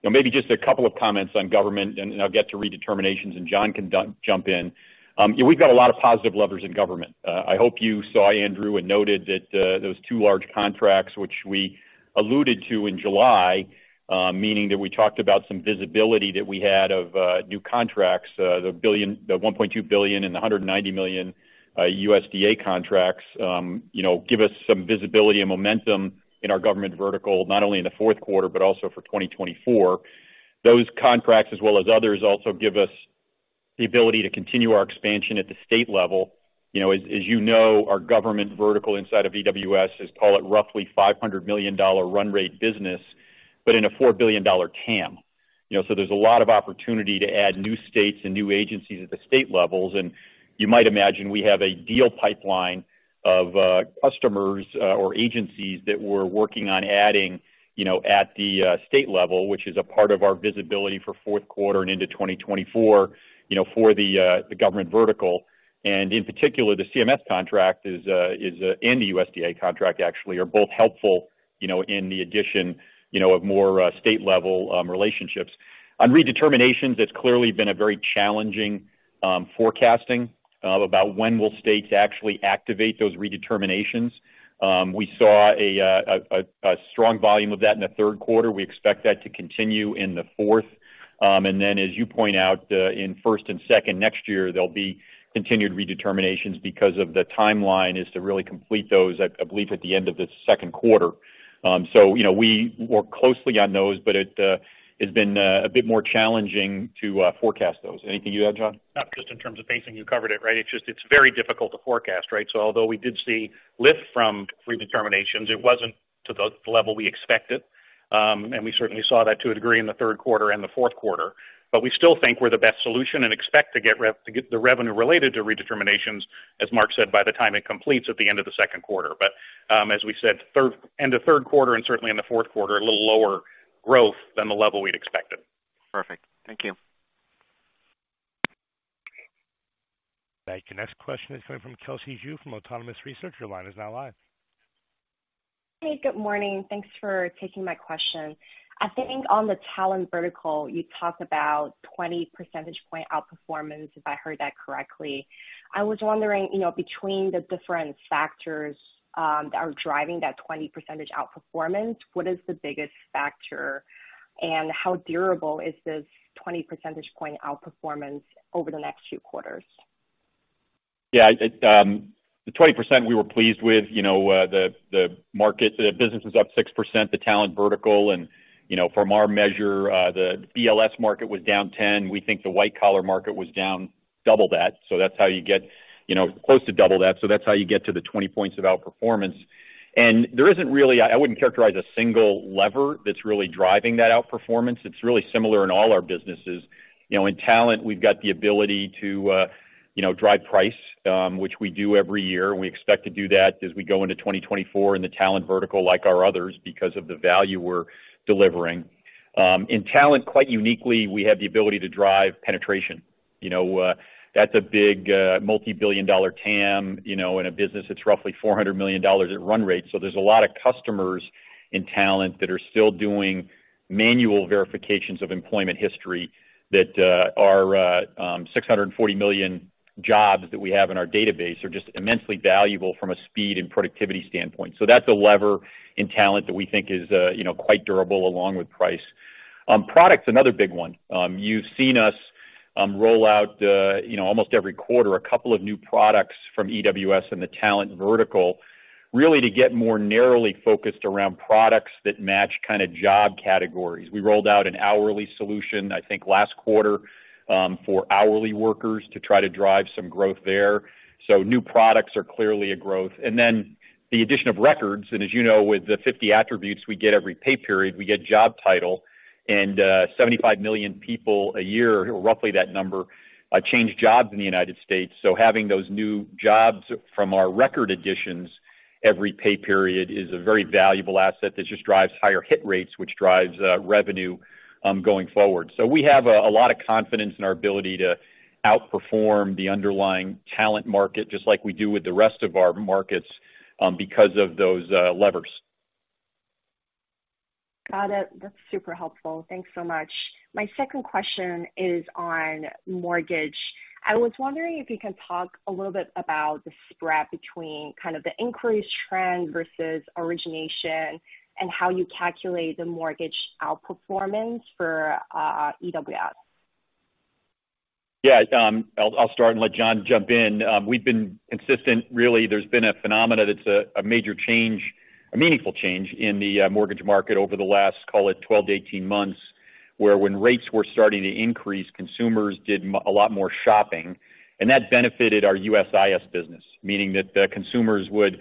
Speaker 3: you know, maybe just a couple of comments on government and, and I'll get to redeterminations and John can jump in. Yeah, we've got a lot of positive levers in government. I hope you saw Andrew and noted that, those two large contracts, which we alluded to in July, meaning that we talked about some visibility that we had of, new contracts, the $1.2 billion and the $190 million USDA contracts, you know, give us some visibility and momentum in our government vertical, not only in the Q4, but also for 2024. Those contracts, as well as others, also give us the ability to continue our expansion at the state level. You know, as you know, our government vertical inside of EWS is call it roughly $500 million run rate business, but in a $4 billion TAM. You know, so there's a lot of opportunity to add new states and new agencies at the state levels. You might imagine we have a deal pipeline of customers or agencies that we're working on adding, you know, at the state level, which is a part of our visibility for Q4 and into 2024, you know, for the government vertical. And in particular, the CMS contract is and the USDA contract, actually, are both helpful, you know, in the addition, you know, of more state-level relationships. On redeterminations, it's clearly been a very challenging forecasting about when will states actually activate those redeterminations. We saw a strong volume of that in the Q3. We expect that to continue in the fourth. And then, as you point out, in first and second next year, there'll be continued redeterminations because of the timeline is to really complete those, I believe, at the end of the Q2. So you know, we work closely on those, but it has been a bit more challenging to forecast those. Anything you add, John?
Speaker 4: Not just in terms of pacing, you covered it, right? It's just... It's very difficult to forecast, right? So although we did see lift from redeterminations, it wasn't to the level we expected. And we certainly saw that to a degree in the Q3 and the Q4. But we still think we're the best solution and expect to get the revenue related to redeterminations, as Mark said, by the time it completes at the end of the Q2. But as we said, end of Q3 and certainly in the Q4, a little lower growth than the level we'd expected.
Speaker 6: Perfect. Thank you.
Speaker 1: Thank you. Next question is coming from Kelsey Zhu, from Autonomous Research. Your line is now live.
Speaker 7: Hey, good morning. Thanks for taking my question. I think on the talent vertical, you talked about 20 percentage point outperformance, if I heard that correctly. I was wondering, you know, between the different factors, that are driving that 20 percentage outperformance, what is the biggest factor? And how durable is this 20 percentage point outperformance over the next few quarters?
Speaker 3: Yeah, the 20% we were pleased with, you know, the market, the business was up 6%, the talent vertical. And, you know, from our measure, the BLS market was down 10. We think the white-collar market was down double that. So that's how you get, you know, close to double that. So that's how you get to the 20 points of outperformance. And there isn't really. I wouldn't characterize a single lever that's really driving that outperformance. It's really similar in all our businesses. You know, in talent, we've got the ability to, you know, drive price, which we do every year. We expect to do that as we go into 2024 in the talent vertical, like our others, because of the value we're delivering. In talent, quite uniquely, we have the ability to drive penetration. You know, that's a big multibillion-dollar TAM. You know, in a business, it's roughly $400 million at run rate. So there's a lot of customers in talent that are still doing manual verifications of employment history, that are 640 million jobs that we have in our database are just immensely valuable from a speed and productivity standpoint. So that's a lever in talent that we think is, you know, quite durable, along with price. Product's another big one. You've seen us roll out, you know, almost every quarter, a couple of new products from EWS in the talent vertical, really, to get more narrowly focused around products that match kind of job categories. We rolled out an hourly solution, I think, last quarter, for hourly workers to try to drive some growth there. So new products are clearly a growth. And then the addition of records, and as you know, with the 50 attributes we get every pay period, we get job title, and 75 million people a year, roughly that number, change jobs in the United States. So having those new jobs from our record additions every pay period is a very valuable asset that just drives higher hit rates, which drives revenue going forward. So we have a lot of confidence in our ability to outperform the underlying talent market, just like we do with the rest of our markets, because of those levers.
Speaker 7: Got it. That's super helpful. Thanks so much. My second question is on mortgage. I was wondering if you can talk a little bit about the spread between kind of the inquiries trend versus origination, and how you calculate the mortgage outperformance for EWS?
Speaker 3: Yeah, I'll start and let John jump in. We've been consistent. Really, there's been a phenomenon that's a major change, a meaningful change in the mortgage market over the last, call it 12-18 months, where when rates were starting to increase, consumers did a lot more shopping, and that benefited our USIS business. Meaning that the consumers would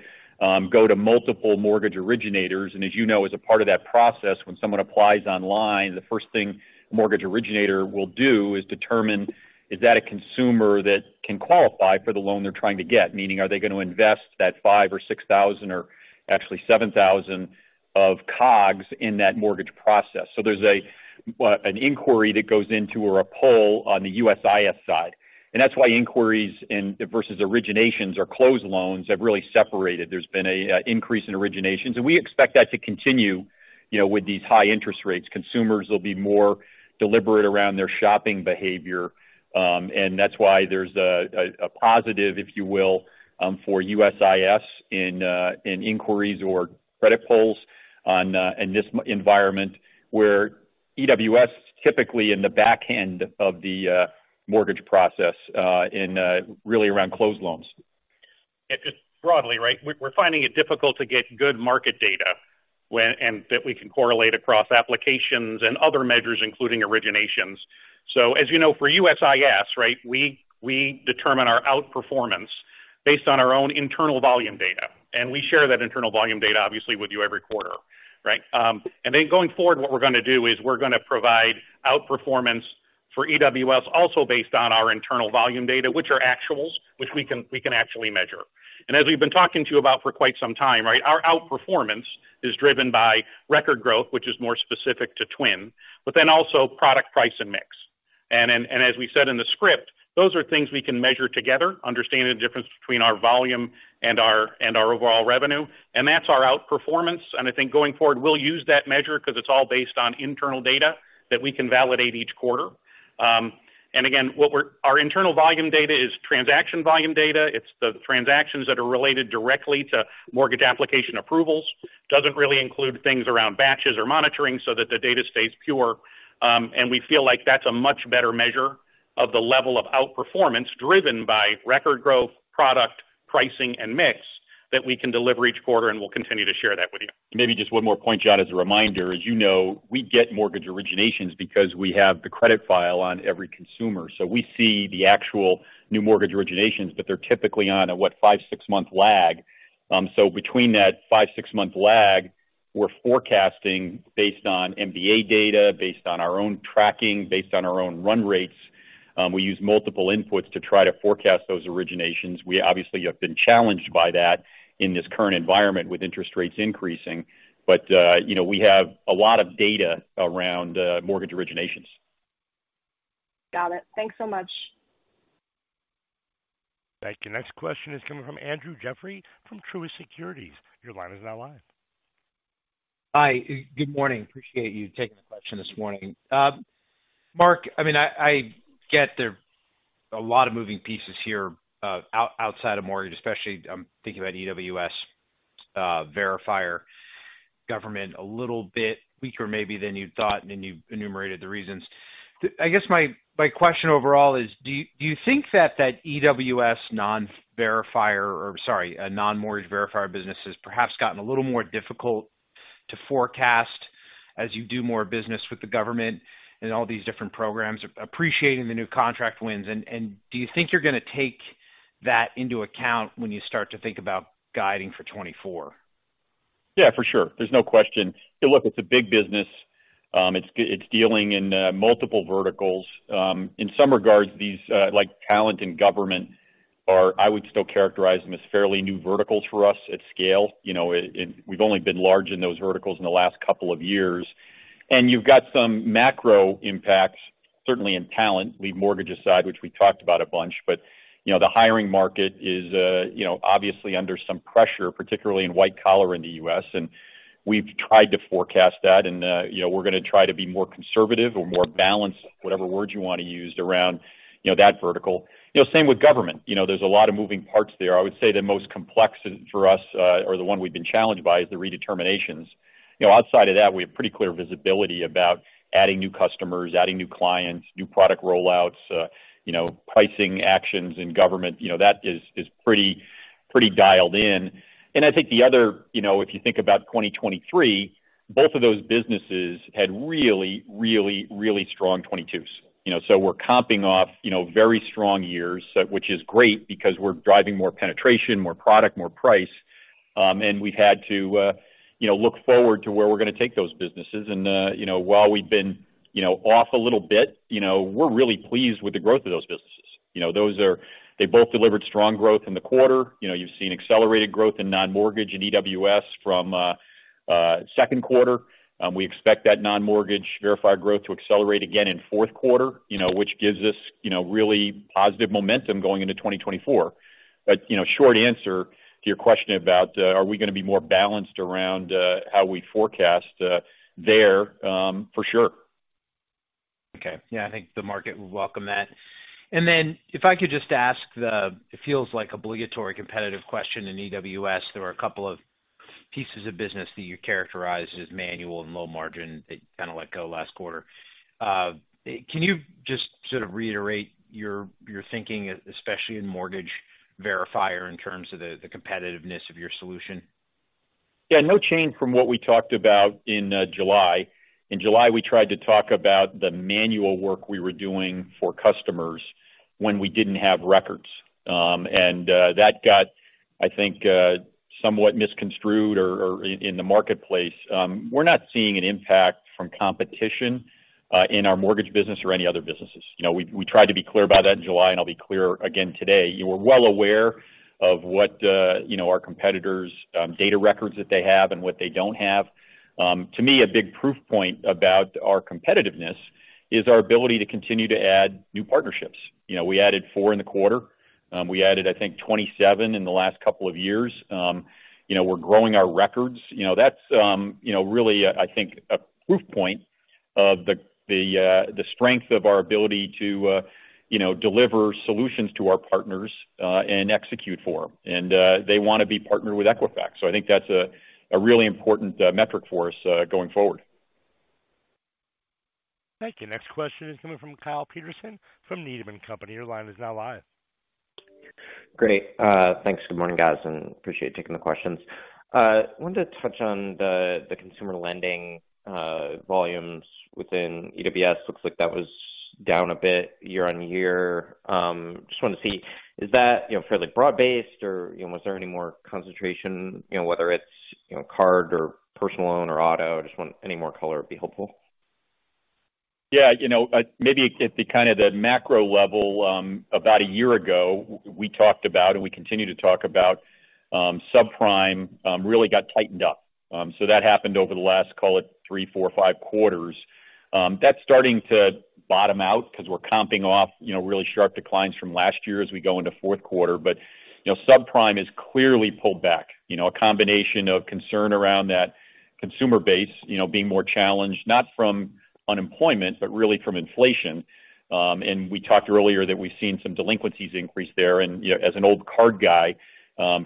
Speaker 3: go to multiple mortgage originators, and as you know, as a part of that process, when someone applies online, the first thing a mortgage originator will do is determine, is that a consumer that can qualify for the loan they're trying to get? Meaning, are they going to invest that 5,000 or 6,000 or actually 7,000 of COGS in that mortgage process? Well, there's an inquiry that goes into, or a pull on the USIS side, and that's why inquiries versus originations or closed loans have really separated. There's been an increase in originations, and we expect that to continue. You know, with these high interest rates, consumers will be more deliberate around their shopping behavior. And that's why there's a positive, if you will, for USIS in inquiries or credit pulls in this environment where EWS, typically in the back end of the mortgage process, really around closed loans.
Speaker 4: Yeah, just broadly, right? We're finding it difficult to get good market data when and that we can correlate across applications and other measures, including originations. So as you know, for USIS, right, we determine our outperformance based on our own internal volume data, and we share that internal volume data, obviously, with you every quarter, right? And then going forward, what we're gonna do is we're gonna provide outperformance for EWS, also based on our internal volume data, which are actuals, which we can actually measure. And as we've been talking to you about for quite some time, right, our outperformance is driven by record growth, which is more specific to TWN, but then also product, price, and mix. As we said in the script, those are things we can measure together, understand the difference between our volume and our overall revenue, and that's our outperformance. And I think going forward, we'll use that measure because it's all based on internal data that we can validate each quarter. And again, what we're, our internal volume data is transaction volume data. It's the transactions that are related directly to mortgage application approvals. Doesn't really include things around batches or monitoring, so that the data stays pure. And we feel like that's a much better measure of the level of outperformance driven by record growth, product, pricing, and mix, that we can deliver each quarter, and we'll continue to share that with you.
Speaker 3: Maybe just one more point, John, as a reminder, as you know, we get mortgage originations because we have the credit file on every consumer. So we see the actual new mortgage originations, but they're typically on a what, 5-6-month lag. So between that 5-6-month lag, we're forecasting based on MBA data, based on our own tracking, based on our own run rates. We use multiple inputs to try to forecast those originations. We obviously have been challenged by that in this current environment, with interest rates increasing. But, you know, we have a lot of data around, mortgage originations.
Speaker 7: Got it. Thanks so much.
Speaker 1: Thank you. Next question is coming from Andrew Jeffrey, from Truist Securities. Your line is now live.
Speaker 8: Hi, good morning. Appreciate you taking the question this morning. Mark, I mean, I get there are a lot of moving pieces here, outside of mortgage, especially. I'm thinking about EWS, verifier government, a little bit weaker maybe than you thought, and then you enumerated the reasons. I guess my question overall is: Do you think that EWS non-verifier or, sorry, non-mortgage verifier business has perhaps gotten a little more difficult to forecast as you do more business with the government and all these different programs, appreciating the new contract wins? And do you think you're going to take that into account when you start to think about guiding for 2024?
Speaker 3: Yeah, for sure. There's no question. Look, it's a big business. It's dealing in multiple verticals. In some regards, these, like, talent and government are. I would still characterize them as fairly new verticals for us at scale. You know, it we've only been large in those verticals in the last couple of years. And you've got some macro impacts, certainly in talent, leave mortgage aside, which we talked about a bunch. But, you know, the hiring market is, you know, obviously under some pressure, particularly in white-collar in the U.S., and we've tried to forecast that. And, you know, we're going to try to be more conservative or more balanced, whatever word you want to use, around, you know, that vertical. You know, same with government. You know, there's a lot of moving parts there. I would say the most complex for us, or the one we've been challenged by, is the redeterminations. You know, outside of that, we have pretty clear visibility about adding new customers, adding new clients, new product rollouts, you know, pricing actions in government. You know, that is, is pretty, pretty dialed in. And I think the other, you know, if you think about 2023, both of those businesses had really, really, really strong 2022s. You know, so we're comping off, you know, very strong years, which is great because we're driving more penetration, more product, more price. And we've had to, you know, look forward to where we're going to take those businesses. And, you know, while we've been, you know, off a little bit, you know, we're really pleased with the growth of those businesses. You know, those are. They both delivered strong growth in the quarter. You know, you've seen accelerated growth in non-mortgage and EWS from Q2. We expect that non-mortgage verifier growth to accelerate again in Q4, you know, which gives us, you know, really positive momentum going into 2024. But, you know, short answer to your question about are we going to be more balanced around how we forecast there? For sure.
Speaker 8: Okay. Yeah, I think the market will welcome that. And then if I could just ask the obligatory competitive question in EWS. There were a couple of pieces of business that you characterized as manual and low margin; they kind of let go last quarter. Can you just sort of reiterate your thinking, especially in mortgage verifier, in terms of the competitiveness of your solution?
Speaker 3: Yeah, no change from what we talked about in July. In July, we tried to talk about the manual work we were doing for customers when we didn't have records. That got, I think, somewhat misconstrued or in the marketplace. We're not seeing an impact from competition in our mortgage business or any other businesses. You know, we tried to be clear about that in July, and I'll be clear again today. You were well aware of what, you know, our competitors' data records that they have and what they don't have. To me, a big proof point about our competitiveness is our ability to continue to add new partnerships. You know, we added four in the quarter. We added, I think, 27 in the last couple ofears. You know, we're growing our records. You know, that's really, I think, a proof point of the strength of our ability to, you know, deliver solutions to our partners and execute for them. They want to be partnered with Equifax. I think that's a really important metric for us going forward.
Speaker 1: Thank you. Next question is coming from Kyle Peterson from Needham & Company. Your line is now live.
Speaker 9: Great. Thanks. Good morning, guys, and appreciate taking the questions. Wanted to touch on the consumer lending volumes within EWS. Looks like that was down a bit year-over-year. Just wanted to see, is that, you know, fairly broad-based or, you know, was there any more concentration, you know, whether it's, you know, card or personal loan or auto? Just want any more color would be helpful.
Speaker 3: Yeah, you know, maybe at the kind of the macro level, about a year ago, we talked about, and we continue to talk about, subprime, really got tightened up. So that happened over the last, call it three, four, or five quarters. That's starting to bottom out because we're comping off, you know, really sharp declines from last year as we go into Q4. But, you know, subprime is clearly pulled back. You know, a combination of concern around that consumer base, you know, being more challenged, not from unemployment, but really from inflation. And we talked earlier that we've seen some delinquencies increase there. You know, as an old card guy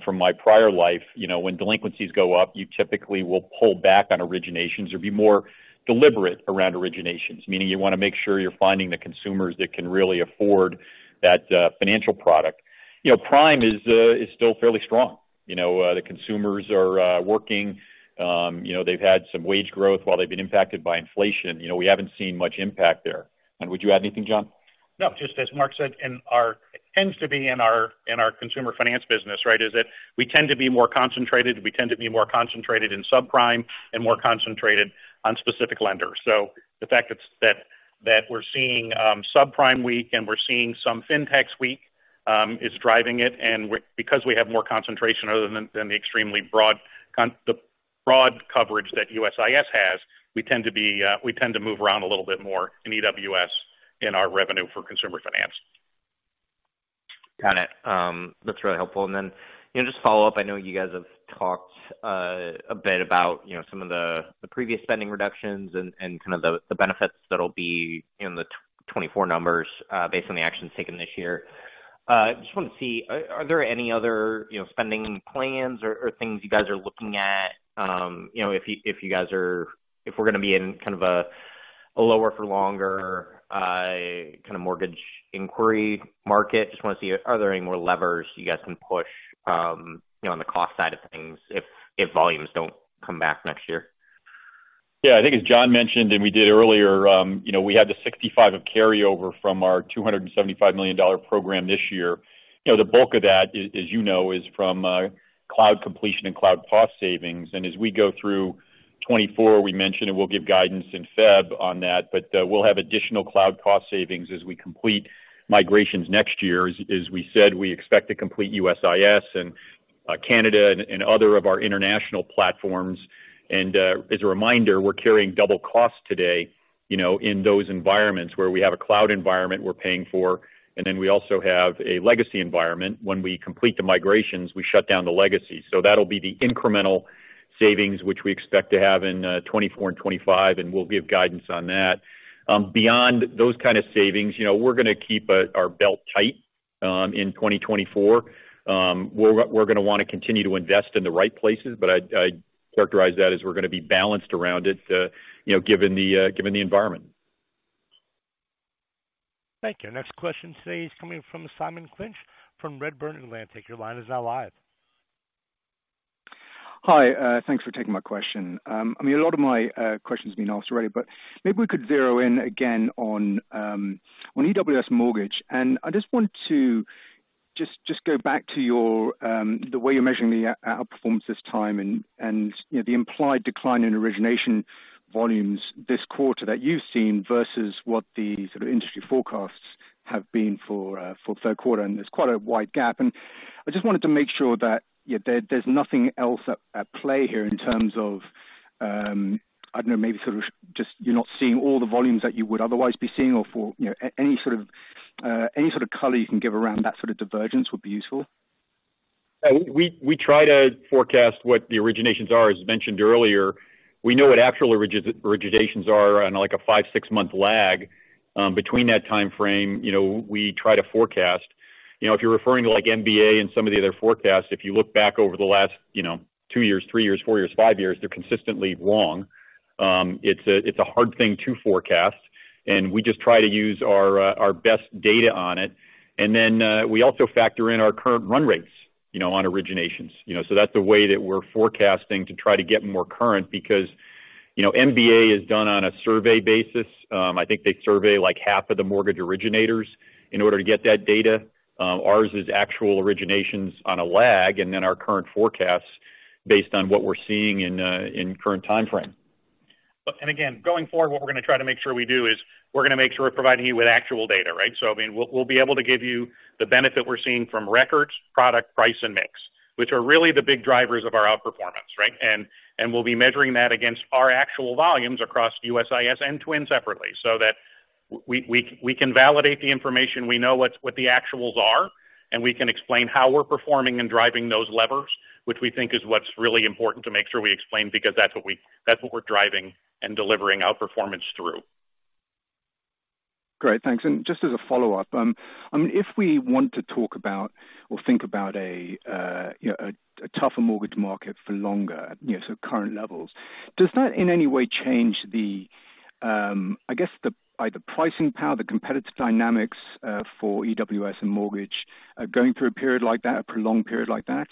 Speaker 3: from my prior life, you know, when delinquencies go up, you typically will pull back on originations or be more deliberate around originations, meaning you want to make sure you're finding the consumers that can really afford that financial product. You know, prime is still fairly strong. You know, the consumers are working. You know, they've had some wage growth while they've been impacted by inflation. You know, we haven't seen much impact there. Would you add anything, John?
Speaker 4: No, just as Mark said, it tends to be in our consumer finance business, right? That we tend to be more concentrated. We tend to be more concentrated in subprime and more concentrated on specific lenders. So the fact that we're seeing subprime weak and we're seeing some fintechs weak is driving it. And we're, because we have more concentration other than the extremely broad, the broad coverage that USIS has, we tend to move around a little bit more in EWS in our revenue for consumer finance.
Speaker 9: Got it. That's really helpful. And then, you know, just follow up. I know you guys have talked a bit about, you know, some of the previous spending reductions and kind of the benefits that'll be in the 2024 numbers based on the actions taken this year. Just wanted to see, are there any other, you know, spending plans or things you guys are looking at? You know, if you guys are -- if we're going to be in kind of a lower for longer kind of mortgage inquiry market. Just want to see, are there any more levers you guys can push, you know, on the cost side of things if volumes don't come back next year?
Speaker 3: Yeah, I think as John mentioned, and we did earlier, you know, we had the 65 of carryover from our $275 million program this year. You know, the bulk of that, as you know, is from cloud completion and cloud cost savings. And as we go through 2024, we mentioned, and we'll give guidance in February on that, but we'll have additional cloud cost savings as we complete migrations next year. As we said, we expect to complete USIS and Canada and other of our international platforms. And as a reminder, we're carrying double costs today, you know, in those environments where we have a cloud environment we're paying for, and then we also have a legacy environment. When we complete the migrations, we shut down the legacy. So that'll be the incremental savings which we expect to have in 2024 and 2025, and we'll give guidance on that. Beyond those kind of savings, you know, we're gonna keep our belt tight in 2024. We're gonna want to continue to invest in the right places, but I'd characterize that as we're gonna be balanced around it, you know, given the environment.
Speaker 1: Thank you. Next question today is coming from Simon Clinch from Redburn Atlantic. Your line is now live.
Speaker 10: Hi, thanks for taking my question. I mean, a lot of my question's been asked already, but maybe we could zero in again on EWS Mortgage. I just want to go back to the way you're measuring the outperformance this time and, you know, the implied decline in origination volumes this quarter that you've seen versus what the sort of industry forecasts have been for Q3, and there's quite a wide gap. I just wanted to make sure that, yeah, there's nothing else at play here in terms of, I don't know, maybe sort of just you're not seeing all the volumes that you would otherwise be seeing or, you know, any sort of color you can give around that sort of divergence would be useful.
Speaker 3: Yeah. We try to forecast what the originations are. As mentioned earlier, we know what actual originations are on, like, a 5-6-month lag. Between that timeframe, you know, we try to forecast. You know, if you're referring to, like, MBA and some of the other forecasts, if you look back over the last, you know, two years, three years, four years, five years, they're consistently wrong. It's a hard thing to forecast, and we just try to use our best data on it. And then, we also factor in our current run rates, you know, on originations. You know, so that's the way that we're forecasting to try to get more current because, you know, MBA is done on a survey basis. I think they survey, like, half of the mortgage originators in order to get that data. Ours is actual originations on a lag, and then our current forecasts based on what we're seeing in current timeframe.
Speaker 4: And again, going forward, what we're gonna try to make sure we do is we're gonna make sure we're providing you with actual data, right? So I mean, we'll, we'll be able to give you the benefit we're seeing from records, product, price, and mix, which are really the big drivers of our outperformance, right? And we'll be measuring that against our actual volumes across USIS and TWN separately, so that we can validate the information, we know what's what the actuals are, and we can explain how we're performing and driving those levers, which we think is what's really important to make sure we explain, because that's what we're driving and delivering outperformance through.
Speaker 10: Great. Thanks. And just as a follow-up, I mean, if we want to talk about or think about a, you know, a tougher mortgage market for longer, you know, so current levels, does that in any way change the, I guess, the, either pricing power, the competitive dynamics, for EWS and Mortgage, going through a period like that, a prolonged period like that?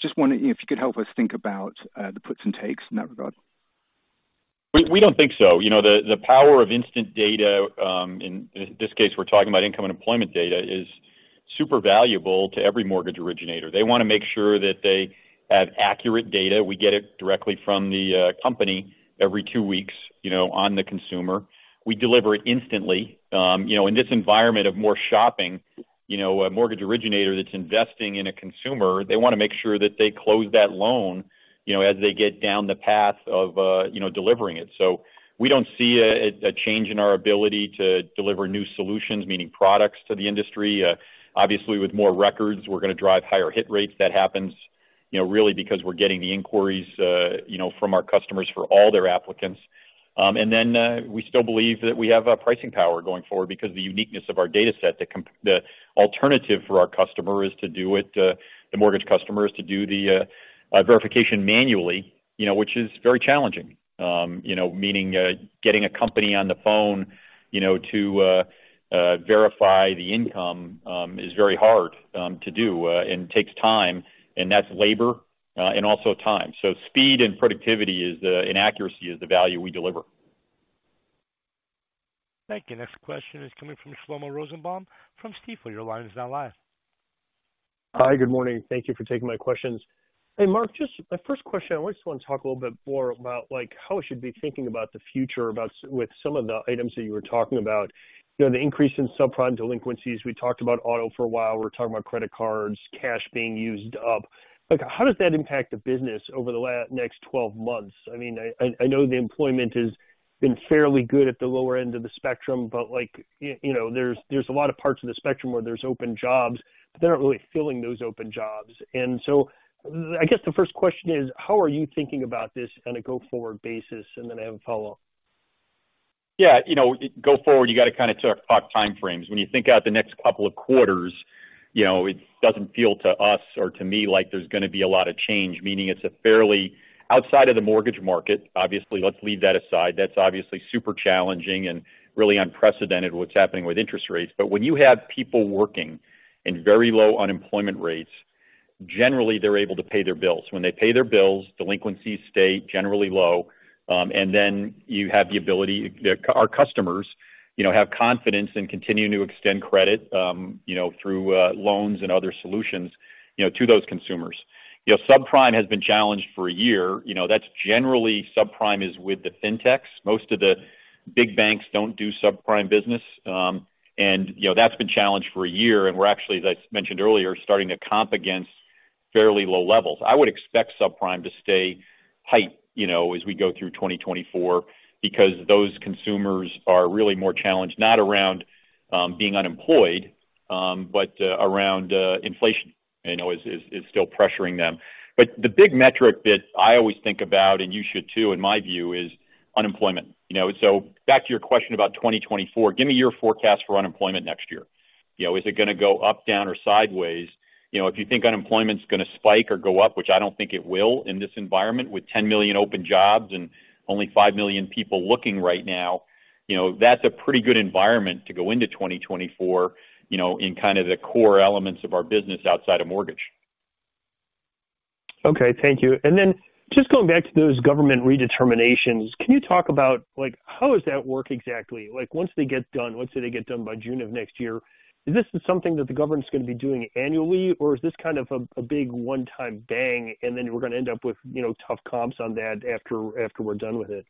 Speaker 10: Just wondering if you could help us think about, the puts and takes in that regard.
Speaker 3: We don't think so. You know, the power of instant data, in this case, we're talking about income and employment data, is super valuable to every mortgage originator. They want to make sure that they have accurate data. We get it directly from the company every two weeks, you know, on the consumer. We deliver it instantly. You know, in this environment of more shopping, you know, a mortgage originator that's investing in a consumer, they want to make sure that they close that loan, you know, as they get down the path of you know, delivering it. So we don't see a change in our ability to deliver new solutions, meaning products to the industry. Obviously, with more records, we're gonna drive higher hit rates. That happens, you know, really because we're getting the inquiries from our customers for all their applicants. And then we still believe that we have a pricing power going forward because the uniqueness of our data set, the alternative for our customer is to do it, the mortgage customer, is to do the verification manually, you know, which is very challenging. You know, meaning getting a company on the phone, you know, to verify the income is very hard to do and takes time, and that's labor and also time. So speed and productivity is and accuracy is the value we deliver.
Speaker 1: Thank you. Next question is coming from Shlomo Rosenbaum from Stifel. Your line is now live.
Speaker 11: Hi, good morning. Thank you for taking my questions. Hey, Mark, just my first question, I just want to talk a little bit more about, like, how we should be thinking about the future, about with some of the items that you were talking about. You know, the increase in subprime delinquencies. We talked about auto for a while. We're talking about credit cards, cash being used up. Like, how does that impact the business over the next 12 months? I mean, I know the employment has been fairly good at the lower end of the spectrum, but like, you know, there's a lot of parts of the spectrum where there's open jobs, but they're not really filling those open jobs. And so I guess the first question is: How are you thinking about this on a go-forward basis? And then I have a follow-up.
Speaker 3: Yeah, you know, go forward, you got to kind of talk timeframes. When you think out the next couple of quarters, you know, it doesn't feel to us or to me like there's gonna be a lot of change, meaning it's a fairly, outside of the mortgage market, obviously, let's leave that aside. That's obviously super challenging and really unprecedented, what's happening with interest rates. But when you have people working in very low unemployment rates, generally, they're able to pay their bills. When they pay their bills, delinquencies stay generally low, and then you have the ability, the our customers, you know, have confidence and continue to extend credit, you know, through loans and other solutions, you know, to those consumers. You know, subprime has been challenged for a year, you know, that's generally subprime is with the fintechs. Most of the big banks don't do subprime business. You know, that's been challenged for a year, and we're actually, as I mentioned earlier, starting to comp against fairly low levels. I would expect subprime to stay high, you know, as we go through 2024, because those consumers are really more challenged, not around being unemployed, but around inflation, you know, is still pressuring them. But the big metric that I always think about, and you should, too, in my view, is unemployment. You know, so back to your question about 2024, give me your forecast for unemployment next year. You know, is it gonna go up, down, or sideways? You know, if you think unemployment's gonna spike or go up, which I don't think it will in this environment, with 10 million open jobs and only 5 million people looking right now, you know, that's a pretty good environment to go into 2024, you know, in kind of the core elements of our business outside of mortgage.
Speaker 11: Okay, thank you. And then, just going back to those government redeterminations, can you talk about, like, how does that work exactly? Like, once they get done, once they get done by June of next year, is this something that the government's gonna be doing annually, or is this kind of a big one-time bang, and then we're gonna end up with, you know, tough comps on that after, after we're done with it?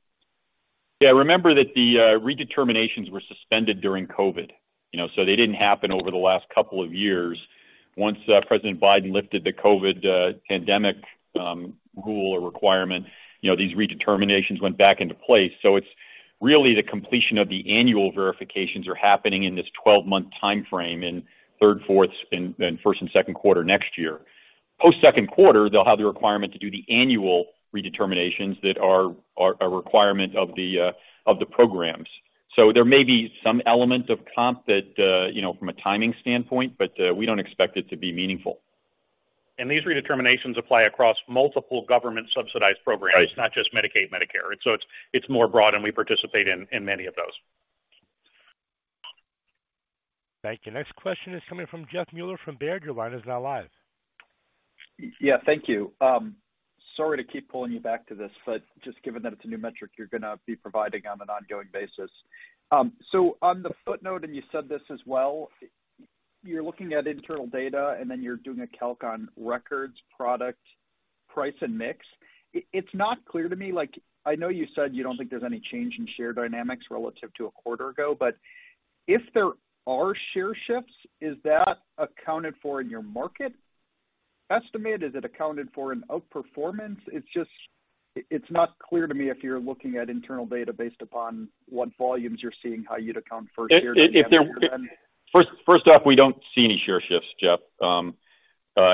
Speaker 3: Yeah, remember that the redeterminations were suspended during COVID. You know, so they didn't happen over the last couple of years. Once President Biden lifted the COVID pandemic rule or requirement, you know, these redeterminations went back into place. So it's really the completion of the annual verifications are happening in this twelve-month timeframe, in Q3, Q4, and Q1 and Q2 next year. post-Q2, they'll have the requirement to do the annual redeterminations that are a requirement of the programs. So there may be some element of comp that you know, from a timing standpoint, but we don't expect it to be meaningful.
Speaker 4: And these redeterminations apply across multiple government-subsidized programs.
Speaker 3: Right.
Speaker 4: Not just Medicaid, Medicare. So it's more broad, and we participate in many of those.
Speaker 1: Thank you. Next question is coming from Jeff Meuler from Baird. Your line is now live.
Speaker 12: Yeah. Thank you. Sorry to keep pulling you back to this, but just given that it's a new metric you're gonna be providing on an ongoing basis. So on the footnote, and you said this as well, you're looking at internal data, and then you're doing a calc on records, product, price, and mix. It's not clear to me... Like, I know you said you don't think there's any change in share dynamics relative to a quarter ago, but if there are share shifts, is that accounted for in your market estimate? Is it accounted for in outperformance? It's just, it's not clear to me if you're looking at internal data based upon what volumes you're seeing, how you'd account for shares-
Speaker 3: First off, we don't see any share shifts, Jeff.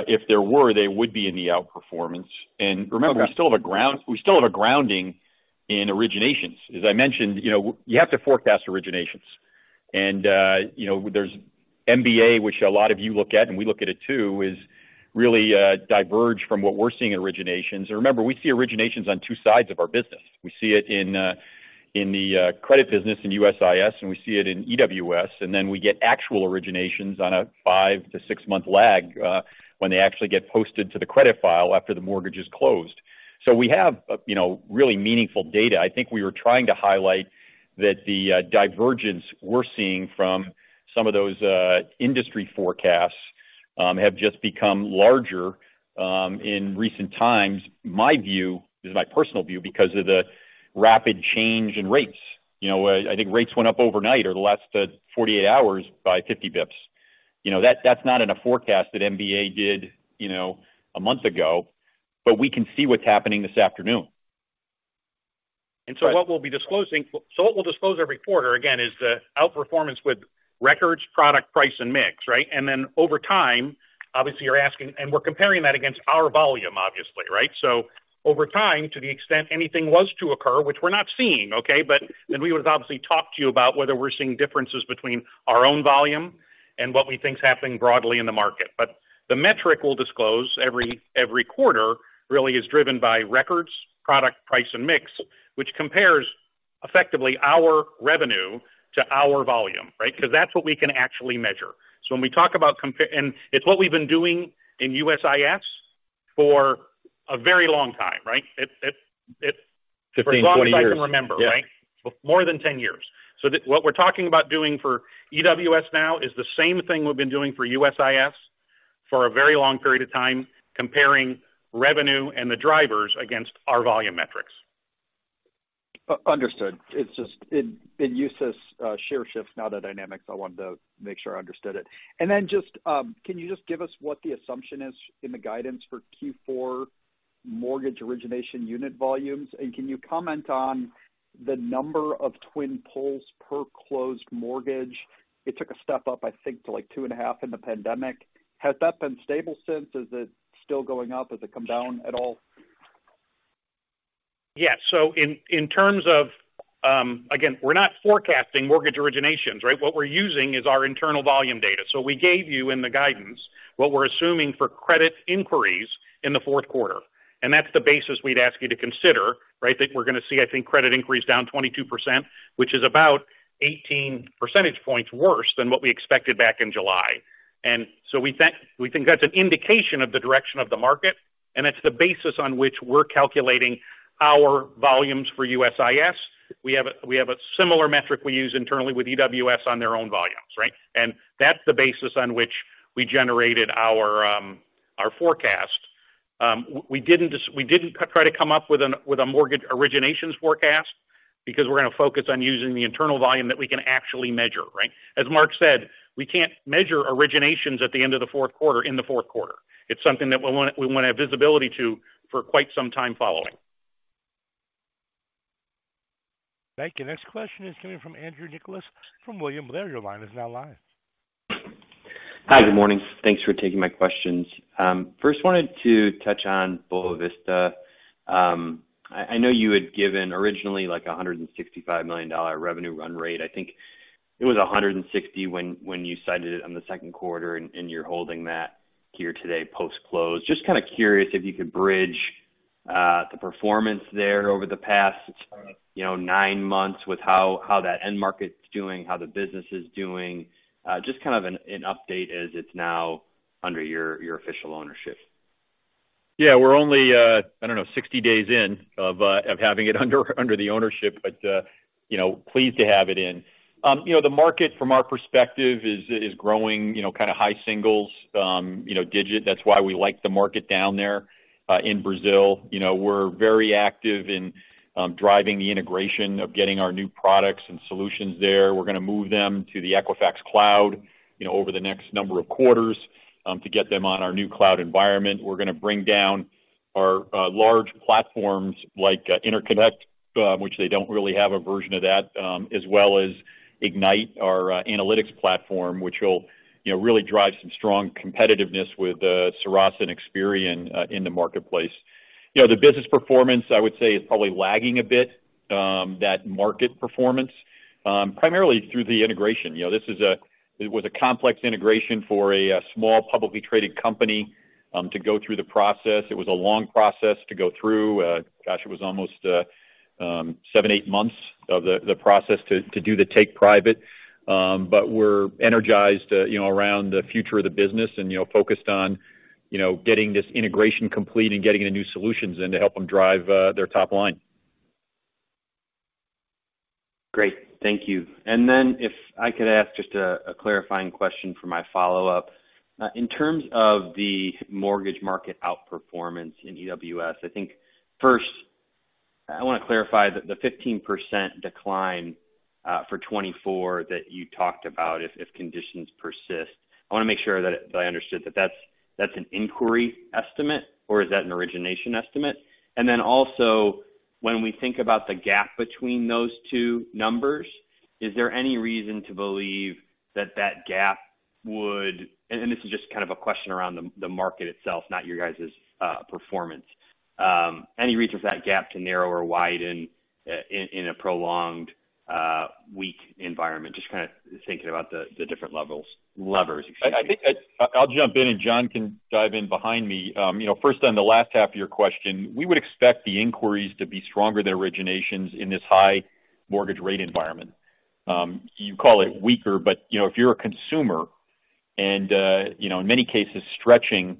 Speaker 3: If there were, they would be in the outperformance.
Speaker 12: Okay.
Speaker 3: And remember, we still have a grounding in originations. As I mentioned, you know, you have to forecast originations. And, you know, there's MBA, which a lot of you look at, and we look at it, too, is really, diverge from what we're seeing in originations. And remember, we see originations on two sides of our business. We see it in, in the, credit business in USIS, and we see it in EWS, and then we get actual originations on a 5- to 6-month lag, when they actually get posted to the credit file after the mortgage is closed. So we have, you know, really meaningful data. I think we were trying to highlight that the, divergence we're seeing from some of those, industry forecasts, have just become larger, in recent times. My view, this is my personal view, because of the rapid change in rates. You know, I think rates went up overnight or the last 48 hours by 50 basis points. You know, that's not in a forecast that MBA did, you know, a month ago, but we can see what's happening this afternoon.
Speaker 4: And so what we'll disclose every quarter, again, is the outperformance with records, product, price, and mix, right? And then over time, obviously, you're asking, and we're comparing that against our volume, obviously, right? So over time, to the extent anything was to occur, which we're not seeing, okay, but then we would obviously talk to you about whether we're seeing differences between our own volume and what we think is happening broadly in the market. But the metric we'll disclose every quarter really is driven by records, product, price, and mix, which compares effectively our revenue to our volume, right? Because that's what we can actually measure. So when we talk about and it's what we've been doing in USIS for a very long time, right? It...
Speaker 3: 15, 20 years.
Speaker 4: As long as I can remember, right?
Speaker 3: Yeah.
Speaker 4: More than 10 years. So what we're talking about doing for EWS now is the same thing we've been doing for USIS for a very long period of time, comparing revenue and the drivers against our volume metrics.
Speaker 12: Understood. It's just, it uses share shifts, not the dynamics. I wanted to make sure I understood it. And then just, can you just give us what the assumption is in the guidance for Q4 mortgage origination unit volumes? And can you comment on the number of TWN pulls per closed mortgage? It took a step up, I think, to, like, 2.5 in the pandemic. Has that been stable since? Is it still going up? Has it come down at all?...
Speaker 3: Yeah. So in terms of, again, we're not forecasting mortgage originations, right? What we're using is our internal volume data. So we gave you in the guidance, what we're assuming for credit inquiries in the Q4, and that's the basis we'd ask you to consider, right? That we're going to see, I think, credit inquiries down 22%, which is about 18 percentage points worse than what we expected back in July. And so we think, we think that's an indication of the direction of the market, and that's the basis on which we're calculating our volumes for USIS. We have a, we have a similar metric we use internally with EWS on their own volumes, right? And that's the basis on which we generated our, our forecast. We didn't try to come up with a mortgage originations forecast because we're going to focus on using the internal volume that we can actually measure, right? As Mark said, we can't measure originations at the end of the Q4, in the Q4. It's something that we want to have visibility to for quite some time following.
Speaker 1: Thank you. Next question is coming from Andrew Nicholas from William Blair. Your line is now live.
Speaker 13: Hi, good morning. Thanks for taking my questions. First, wanted to touch on Boa Vista. I know you had given originally, like, $165 million revenue run rate. I think it was $160 million when you cited it on the Q2, and you're holding that here today, post close. Just kind of curious if you could bridge the performance there over the past, you know, nine months with how that end market's doing, how the business is doing. Just kind of an update as it's now under your official ownership.
Speaker 3: Yeah, we're only, I don't know, 60 days in of, of having it under, under the ownership, but, you know, pleased to have it in. You know, the market from our perspective is, is growing, you know, kind of high single digit. That's why we like the market down there, in Brazil. You know, we're very active in, driving the integration of getting our new products and solutions there. We're going to move them to the Equifax Cloud, you know, over the next number of quarters, to get them on our new cloud environment. We're going to bring down our large platforms like InterConnect, which they don't really have a version of that, as well as Ignite, our analytics platform, which will, you know, really drive some strong competitiveness with Serasa and Experian in the marketplace. You know, the business performance, I would say, is probably lagging a bit that market performance primarily through the integration. You know, this is a - it was a complex integration for a small, publicly traded company to go through the process. It was a long process to go through. Gosh, it was almost 7-8 months of the process to do the take private. But we're energized, you know, around the future of the business and, you know, focused on, you know, getting this integration complete and getting the new solutions in to help them drive their top line.
Speaker 13: Great. Thank you. And then if I could ask just a clarifying question for my follow-up. In terms of the mortgage market outperformance in EWS, I think first, I want to clarify the 15% decline for 2024 that you talked about, if conditions persist. I want to make sure that I understood that that's an inquiry estimate or is that an origination estimate? And then also, when we think about the gap between those two numbers, is there any reason to believe that that gap would... And this is just kind of a question around the market itself, not your guys' performance. Any reason for that gap to narrow or widen in a prolonged weak environment? Just kind of thinking about the different levels- levers, excuse me.
Speaker 3: I think I'll jump in, and John can dive in behind me. You know, first, on the last half of your question, we would expect the inquiries to be stronger than originations in this high mortgage rate environment. You call it weaker, but, you know, if you're a consumer and, you know, in many cases, stretching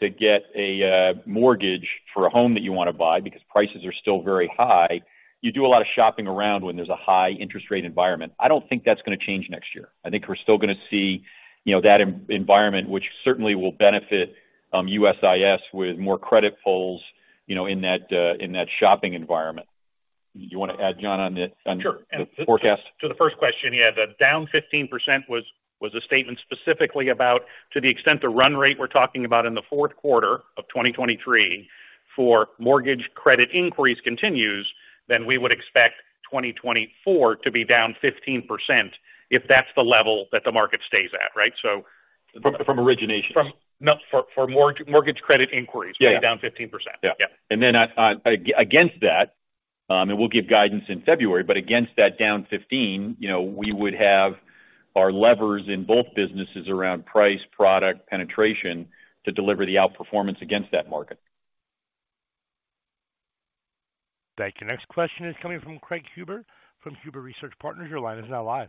Speaker 3: to get a mortgage for a home that you want to buy because prices are still very high, you do a lot of shopping around when there's a high interest rate environment. I don't think that's going to change next year. I think we're still going to see, you know, that environment, which certainly will benefit USIS with more credit pulls, you know, in that shopping environment. Do you want to add, John, on the-
Speaker 4: Sure.
Speaker 3: On the forecast?
Speaker 4: To the first question, yeah, the down 15% was a statement specifically about to the extent the run rate we're talking about in the Q4 of 2023 for mortgage credit inquiries continues, then we would expect 2024 to be down 15%, if that's the level that the market stays at, right? So-
Speaker 3: From originations.
Speaker 4: No, for mortgage credit inquiries.
Speaker 3: Yeah.
Speaker 4: -to be down 15%.
Speaker 3: Yeah.
Speaker 4: Yeah.
Speaker 3: And then, against that, and we'll give guidance in February, but against that down 15, you know, we would have our levers in both businesses around price, product, penetration, to deliver the outperformance against that market.
Speaker 4: Thank you. Next question is coming from Craig Huber, from Huber Research Partners. Your line is now live.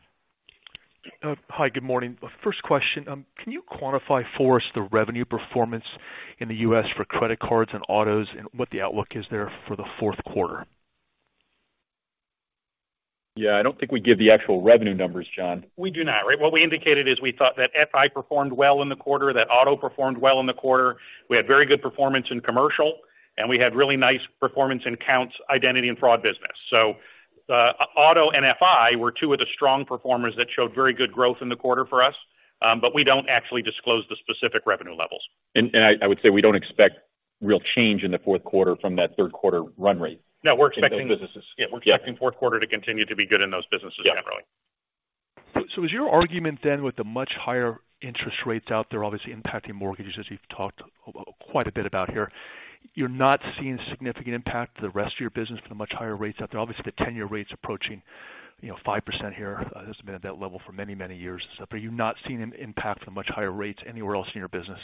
Speaker 14: Hi, good morning. First question, can you quantify for us the revenue performance in the U.S. for credit cards and autos, and what the outlook is there for the Q4?
Speaker 3: Yeah. I don't think we give the actual revenue numbers, John.
Speaker 4: We do not, right. What we indicated is we thought that FI performed well in the quarter, that auto performed well in the quarter. We had very good performance in commercial, and we had really nice performance in Kount, identity, and fraud business. So, auto and FI were two of the strong performers that showed very good growth in the quarter for us. But we don't actually disclose the specific revenue levels.
Speaker 3: I would say we don't expect real change in the Q4 from that Q3 run rate.
Speaker 4: No, we're expecting-
Speaker 3: Businesses.
Speaker 4: Yeah, we're expecting Q4 to continue to be good in those businesses generally....
Speaker 14: So is your argument then, with the much higher interest rates out there obviously impacting mortgages, as you've talked quite a bit about here, you're not seeing significant impact to the rest of your business for the much higher rates out there. Obviously, the 10-year rate is approaching, you know, 5% here. This has been at that level for many, many years. But you're not seeing an impact from much higher rates anywhere else in your business?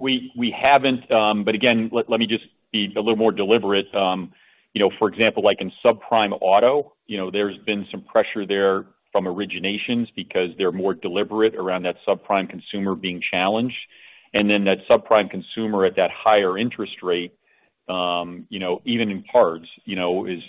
Speaker 3: We haven't. But again, let me just be a little more deliberate. You know, for example, like in subprime auto, you know, there's been some pressure there from originations because they're more deliberate around that subprime consumer being challenged, and then that subprime consumer at that higher interest rate, you know, even in parts, you know, is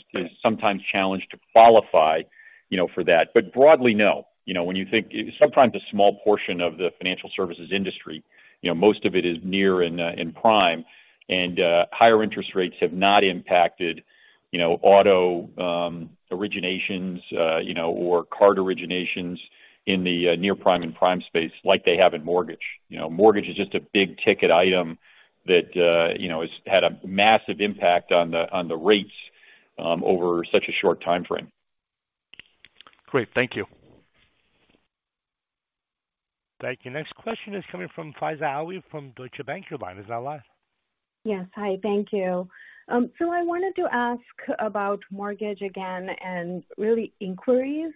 Speaker 3: sometimes challenged to qualify, you know, for that. But broadly, no. You know, when you think subprime is a small portion of the financial services industry, you know, most of it is near and prime, and higher interest rates have not impacted, you know, auto originations, you know, or card originations in the near prime and prime space like they have in mortgage. You know, mortgage is just a big-ticket item that, you know, has had a massive impact on the rates over such a short time frame.
Speaker 14: Great. Thank you.
Speaker 1: Thank you. Next question is coming from Faiza Alwy, from Deutsche Bank. Your line is now live.
Speaker 15: Yes. Hi, thank you. So I wanted to ask about mortgage again and really inquiries.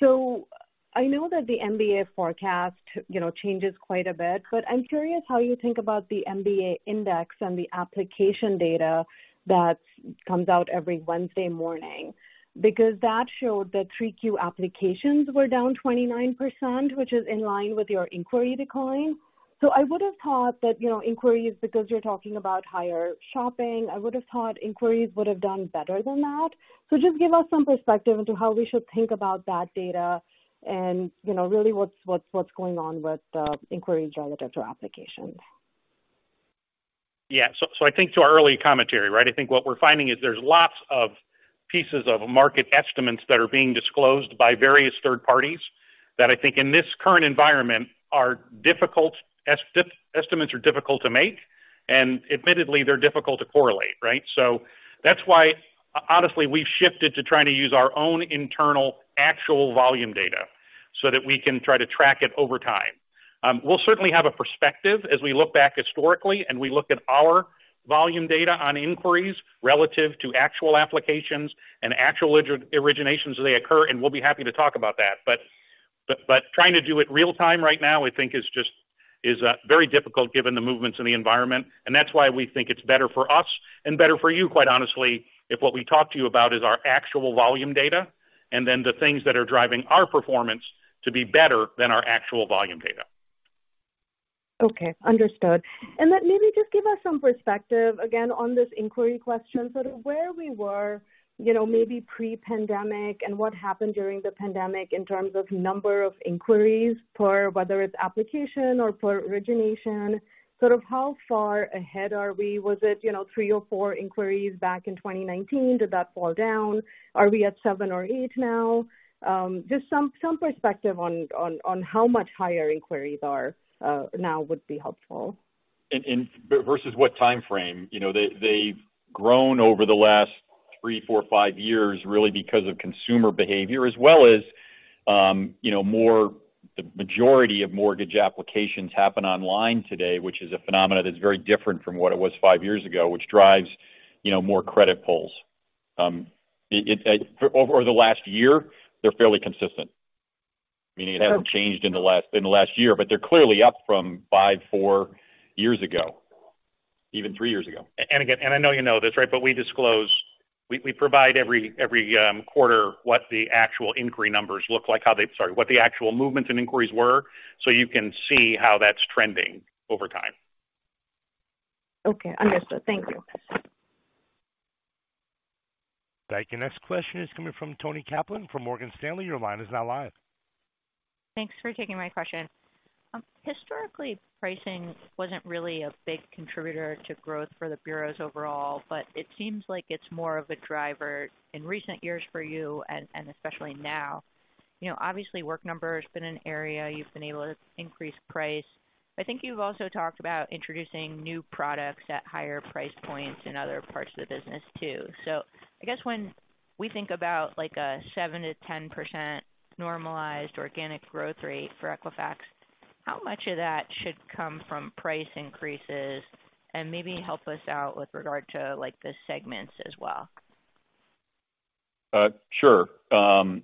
Speaker 15: So I know that the MBA forecast, you know, changes quite a bit, but I'm curious how you think about the MBA index and the application data that comes out every Wednesday morning, because that showed that Q3 applications were down 29%, which is in line with your inquiry decline. So I would have thought that, you know, inquiries, because you're talking about higher shopping, I would have thought inquiries would have done better than that. So just give us some perspective into how we should think about that data and, you know, really, what's going on with the inquiry drive after applications.
Speaker 4: Yeah. So, I think to our earlier commentary, right? I think what we're finding is there's lots of pieces of market estimates that are being disclosed by various third parties that I think in this current environment estimates are difficult to make, and admittedly, they're difficult to correlate, right? So that's why, honestly, we've shifted to trying to use our own internal actual volume data so that we can try to track it over time. We'll certainly have a perspective as we look back historically and we look at our volume data on inquiries relative to actual applications and actual originations as they occur, and we'll be happy to talk about that. But trying to do it real time right now, I think, is just very difficult given the movements in the environment, and that's why we think it's better for us and better for you, quite honestly, if what we talk to you about is our actual volume data and then the things that are driving our performance to be better than our actual volume data.
Speaker 15: Okay, understood. And then maybe just give us some perspective again on this inquiry question, sort of where we were, you know, maybe pre-pandemic and what happened during the pandemic in terms of number of inquiries per, whether it's application or per origination. Sort of how far ahead are we? Was it, you know, 3 or 4 inquiries back in 2019? Did that fall down? Are we at 7 or 8 now? Just some perspective on how much higher inquiries are now would be helpful.
Speaker 3: In versus what time frame? You know, they've grown over the last 3, 4, 5 years, really, because of consumer behavior as well as, you know, more. The majority of mortgage applications happen online today, which is a phenomenon that's very different from what it was 5 years ago, which drives, you know, more credit pulls. Over the last year, they're fairly consistent, meaning it hasn't changed in the last year, but they're clearly up from 5, 4 years ago, even 3 years ago.
Speaker 4: I know you know this, right? But we disclose—we provide every quarter what the actual inquiry numbers look like. Sorry, what the actual movements and inquiries were, so you can see how that's trending over time.
Speaker 15: Okay, understood. Thank you.
Speaker 1: Thank you. Next question is coming from Toni Kaplan from Morgan Stanley. Your line is now live.
Speaker 16: Thanks for taking my question. Historically, pricing wasn't really a big contributor to growth for the bureaus overall, but it seems like it's more of a driver in recent years for you and, and especially now. You know, obviously, Work Number has been an area you've been able to increase price. I think you've also talked about introducing new products at higher price points in other parts of the business, too. So I guess when we think about, like, a 7%-10% normalized organic growth rate for Equifax, how much of that should come from price increases? And maybe help us out with regard to, like, the segments as well.
Speaker 3: Sure. You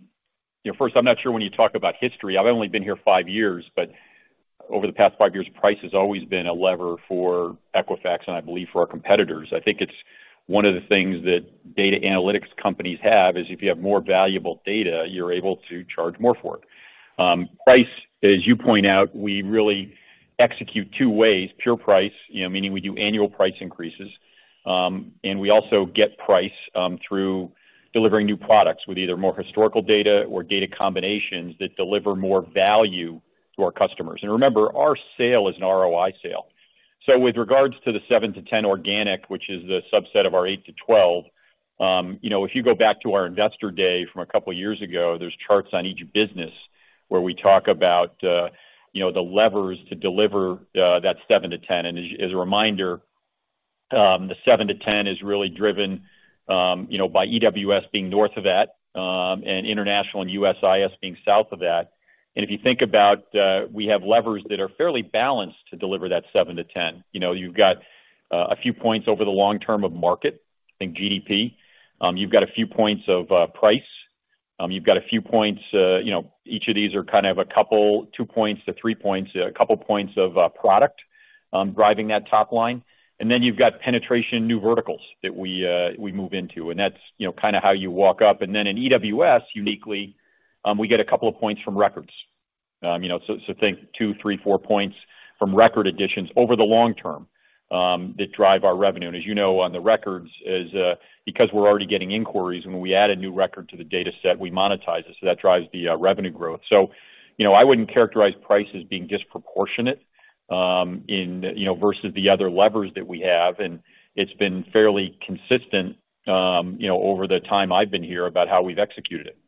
Speaker 3: know, first, I'm not sure when you talk about history. I've only been here five years, but over the past five years, price has always been a lever for Equifax and I believe for our competitors. I think it's one of the things that data analytics companies have, is if you have more valuable data, you're able to charge more for it. Price, as you point out, we really execute two ways: pure price, you know, meaning we do annual price increases, and we also get price through delivering new products with either more historical data or data combinations that deliver more value to our customers. And remember, our sale is an ROI sale. So with regards to the 7-10 organic, which is the subset of our 8-12, you know, if you go back to our investor day from a couple of years ago, there's charts on each business where we talk about, you know, the levers to deliver that 7-10. And as a reminder, the 7-10 is really driven, you know, by EWS being north of that, and International and USIS being south of that. And if you think about, we have levers that are fairly balanced to deliver that 7-10. You know, you've got a few points over the long term of market, I think GDP. You've got a few points of price. You've got a few points, you know, each of these are kind of a couple, 2-3 points, a couple points of product driving that top line. And then you've got penetration, new verticals that we, we move into, and that's, you know, kind of how you walk up. And then in EWS, uniquely, we get a couple of points from records. You know, so, so think 2, 3, 4 points from record additions over the long term, that drive our revenue. And as you know, on the records is, because we're already getting inquiries, when we add a new record to the dataset, we monetize it, so that drives the revenue growth. You know, I wouldn't characterize price as being disproportionate, you know, versus the other levers that we have, and it's been fairly consistent, you know, over the time I've been here, about how we've executed it.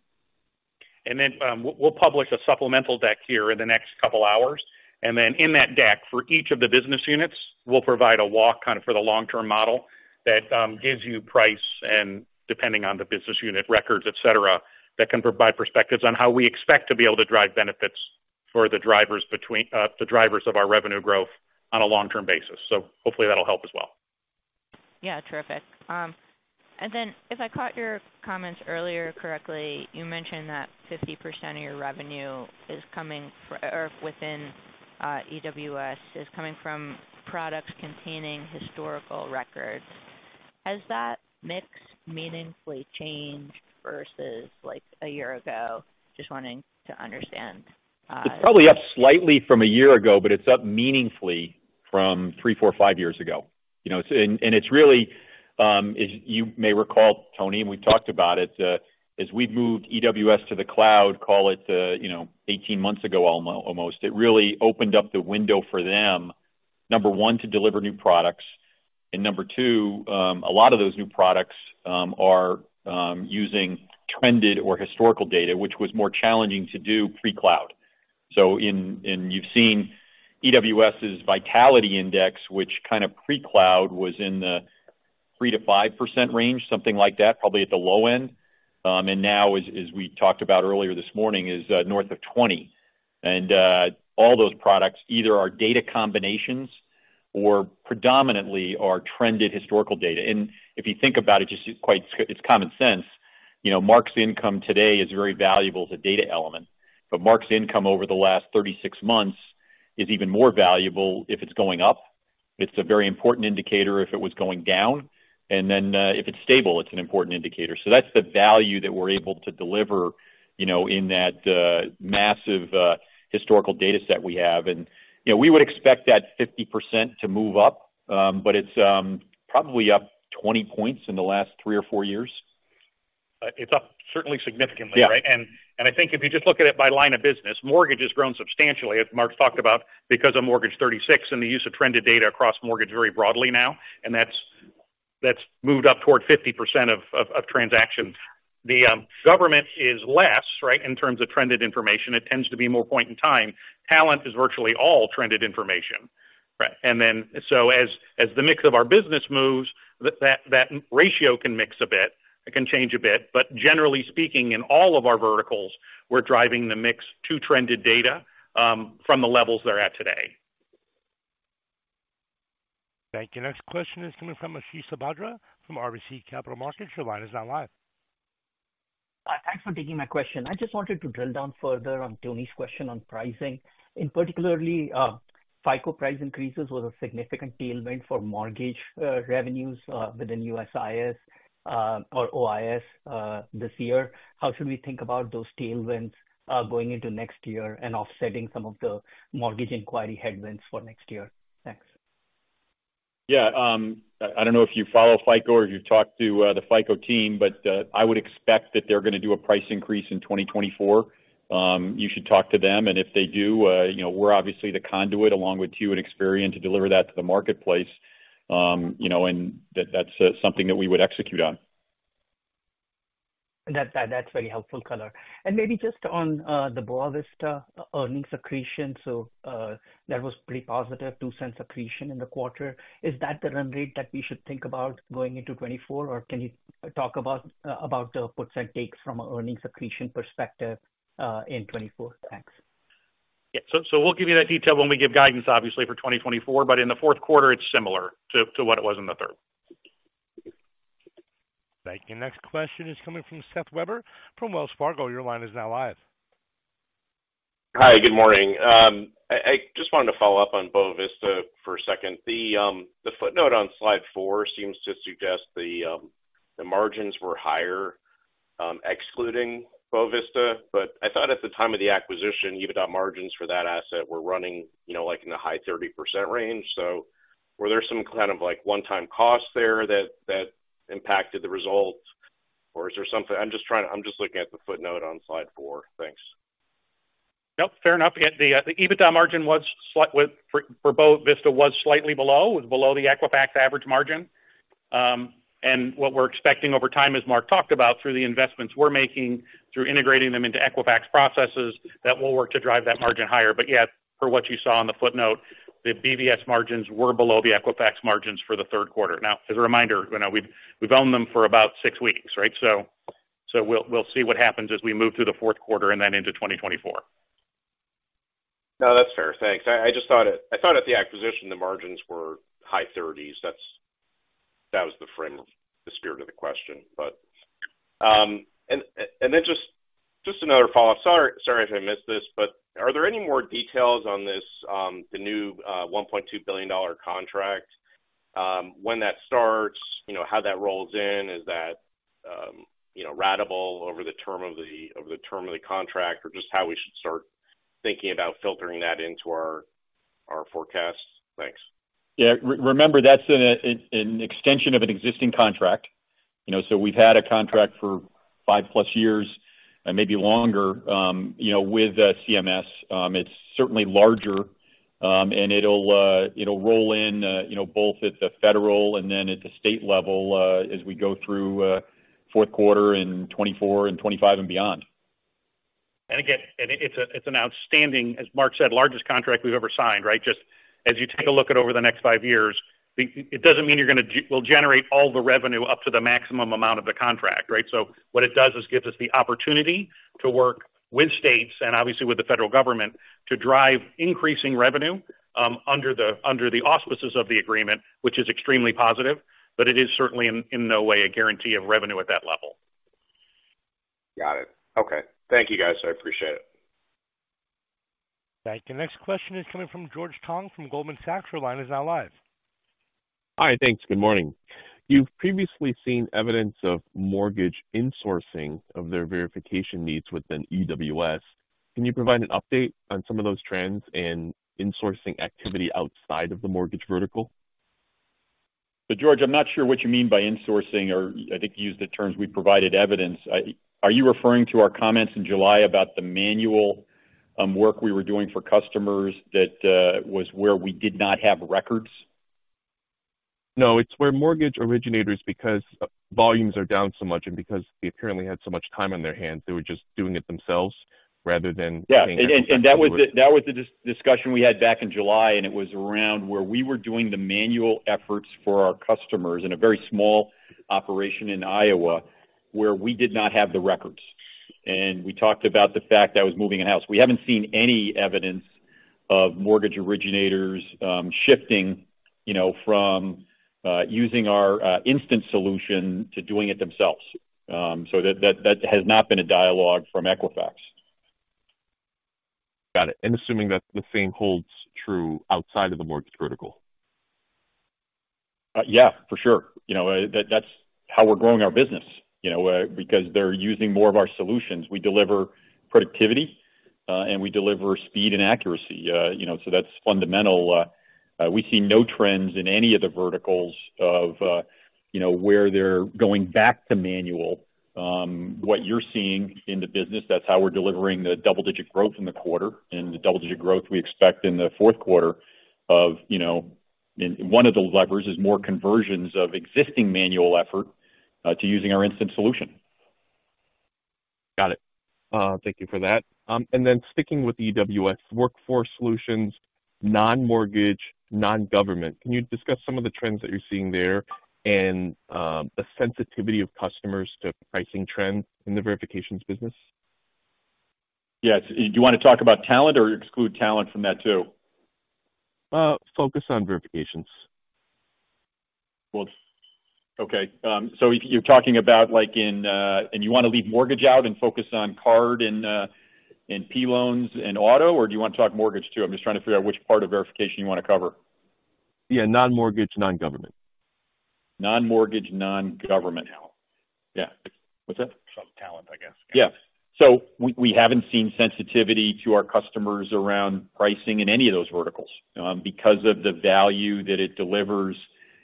Speaker 4: And then, we'll, we'll publish a supplemental deck here in the next couple hours, and then in that deck, for each of the business units, we'll provide a walk kind of for the long-term model that gives you price and depending on the business unit records, et cetera, that can provide perspectives on how we expect to be able to drive benefits for the drivers between the drivers of our revenue growth on a long-term basis. So hopefully that'll help as well.
Speaker 16: Yeah, terrific. And then if I caught your comments earlier correctly, you mentioned that 50% of your revenue is coming from or within EWS, is coming from products containing historical records. Has that mix meaningfully changed versus, like, a year ago? Just wanting to understand.
Speaker 3: It's probably up slightly from a year ago, but it's up meaningfully from three, four, five years ago. You know, it's and it's really, it. You may recall, Tony, and we talked about it, as we've moved EWS to the cloud, call it, you know, 18 months ago, almost, it really opened up the window for them, number one, to deliver new products, and number two, a lot of those new products are using trended or historical data, which was more challenging to do pre-cloud. So in, and you've seen EWS's Vitality Index, which kind of pre-cloud was in the 3%-5% range, something like that, probably at the low end. And now, as we talked about earlier this morning, is north of 20. All those products either are data combinations or predominantly are trended historical data. If you think about it, just quite sc- it's common sense, you know, Mark's income today is very valuable as a data element, but Mark's income over the last 36 months is even more valuable if it's going up. It's a very important indicator if it was going down, and then, if it's stable, it's an important indicator. So that's the value that we're able to deliver, you know, in that, massive, historical data set we have. And, you know, we would expect that 50% to move up, but it's, probably up 20 points in the last 3 or 4 years.
Speaker 4: It's up certainly significantly, right?
Speaker 3: Yeah.
Speaker 4: I think if you just look at it by line of business, mortgage has grown substantially, as Mark talked about, because of Mortgage 36 and the use of trended data across mortgage very broadly now, and that's moved up toward 50% of transactions. The government is less, right, in terms of trended information. It tends to be more point in time. Talent is virtually all trended information, right? And then, so as the mix of our business moves, that ratio can mix a bit, it can change a bit. But generally speaking, in all of our verticals, we're driving the mix to trended data from the levels they're at today.
Speaker 1: Thank you. Next question is coming from Ashish Sabadra from RBC Capital Markets. Your line is now live.
Speaker 17: Thanks for taking my question. I just wanted to drill down further on Tony's question on pricing. In particular, FICO price increases was a significant tailwind for mortgage revenues within USIS or OIS this year. How should we think about those tailwinds going into next year and offsetting some of the mortgage inquiry headwinds for next year? Thanks.
Speaker 3: Yeah, I don't know if you follow FICO or you've talked to the FICO team, but I would expect that they're going to do a price increase in 2024. You should talk to them, and if they do, you know, we're obviously the conduit, along with you and Experian, to deliver that to the marketplace. You know, and that's something that we would execute on.
Speaker 17: That, that's very helpful color. And maybe just on the Boa Vista earnings accretion. So, that was pretty positive, $0.02 accretion in the quarter. Is that the run rate that we should think about going into 2024? Or can you talk about the puts and takes from an earnings accretion perspective in 2024? Thanks.
Speaker 4: Yeah, so, so we'll give you that detail when we give guidance, obviously, for 2024, but in the Q4, it's similar to, to what it was in the third.
Speaker 1: Thank you. Next question is coming from Seth Weber from Wells Fargo. Your line is now live.
Speaker 18: Hi, good morning. I just wanted to follow up on Boa Vista for a second. The footnote on slide 4 seems to suggest the margins were higher, excluding Boa Vista, but I thought at the time of the acquisition, EBITDA margins for that asset were running, you know, like in the high 30% range. So were there some kind of, like, one-time costs there that impacted the results, or is there something...? I'm just trying to. I'm just looking at the footnote on slide 4. Thanks.
Speaker 4: Yep, fair enough. The EBITDA margin was slightly below for Boa Vista. It was below the Equifax average margin....
Speaker 3: and what we're expecting over time, as Mark talked about, through the investments we're making, through integrating them into Equifax processes, that will work to drive that margin higher. But yeah, for what you saw in the footnote, the BVS margins were below the Equifax margins for the Q3. Now, as a reminder, you know, we've owned them for about six weeks, right? So we'll see what happens as we move through the Q4 and then into 2024.
Speaker 18: No, that's fair. Thanks. I just thought it—I thought at the acquisition, the margins were high 30s. That was the frame of the spirit of the question. But and then just another follow-up. Sorry if I missed this, but are there any more details on this, the new $1.2 billion contract? When that starts, you know, how that rolls in, is that, you know, ratable over the term of the contract, or just how we should start thinking about filtering that into our forecasts? Thanks.
Speaker 3: Yeah, remember, that's an extension of an existing contract. You know, so we've had a contract for 5+ years and maybe longer, you know, with CMS. It's certainly larger, and it'll roll in, you know, both at the federal and then at the state level, as we go through Q4 in 2024 and 2025 and beyond.
Speaker 4: And again, it's an outstanding, as Mark said, largest contract we've ever signed, right? Just as you take a look at over the next five years, it doesn't mean you're gonna will generate all the revenue up to the maximum amount of the contract, right? So what it does is gives us the opportunity to work with states and obviously with the federal government, to drive increasing revenue, under the auspices of the agreement, which is extremely positive, but it is certainly in no way a guarantee of revenue at that level.
Speaker 18: Got it. Okay. Thank you, guys. I appreciate it.
Speaker 1: Thank you. Next question is coming from George Tong from Goldman Sachs. Your line is now live.
Speaker 19: Hi. Thanks. Good morning. You've previously seen evidence of mortgage insourcing of their verification needs within EWS. Can you provide an update on some of those trends and insourcing activity outside of the mortgage vertical?
Speaker 3: So, George, I'm not sure what you mean by insourcing, or I think you used the terms we provided evidence. Are you referring to our comments in July about the manual work we were doing for customers that was where we did not have records?
Speaker 19: No, it's where mortgage originators, because volumes are down so much and because they apparently had so much time on their hands, they were just doing it themselves rather than-
Speaker 3: Yeah, and that was the discussion we had back in July, and it was around where we were doing the manual efforts for our customers in a very small operation in Iowa, where we did not have the records. And we talked about the fact that was moving a house. We haven't seen any evidence of mortgage originators shifting, you know, from using our instant solution to doing it themselves. So that has not been a dialogue from Equifax.
Speaker 19: Got it. Assuming that the same holds true outside of the mortgage vertical?
Speaker 3: Yeah, for sure. You know, that, that's how we're growing our business, you know, because they're using more of our solutions. We deliver productivity, and we deliver speed and accuracy. You know, so that's fundamental. We see no trends in any of the verticals of, you know, where they're going back to manual. What you're seeing in the business, that's how we're delivering the double-digit growth in the quarter and the double-digit growth we expect in the Q4 of, you know. And one of the levers is more conversions of existing manual effort, to using our instant solution.
Speaker 19: Got it. Thank you for that. And then sticking with the EWS Workforce Solutions, non-mortgage, non-government, can you discuss some of the trends that you're seeing there and the sensitivity of customers to pricing trends in the verifications business?
Speaker 3: Yes. Do you want to talk about talent or exclude talent from that too?
Speaker 19: Focus on verifications.
Speaker 3: Well, okay. So you're talking about, like, in... And you want to leave mortgage out and focus on card and P loans and auto, or do you want to talk mortgage, too? I'm just trying to figure out which part of verification you want to cover.
Speaker 19: Yeah, non-mortgage, non-government.
Speaker 3: Non-mortgage, non-government.
Speaker 4: Talent.
Speaker 3: Yeah. What's that?
Speaker 4: Sub talent, I guess.
Speaker 3: Yeah. So we, we haven't seen sensitivity to our customers around pricing in any of those verticals, because of the value that it delivers.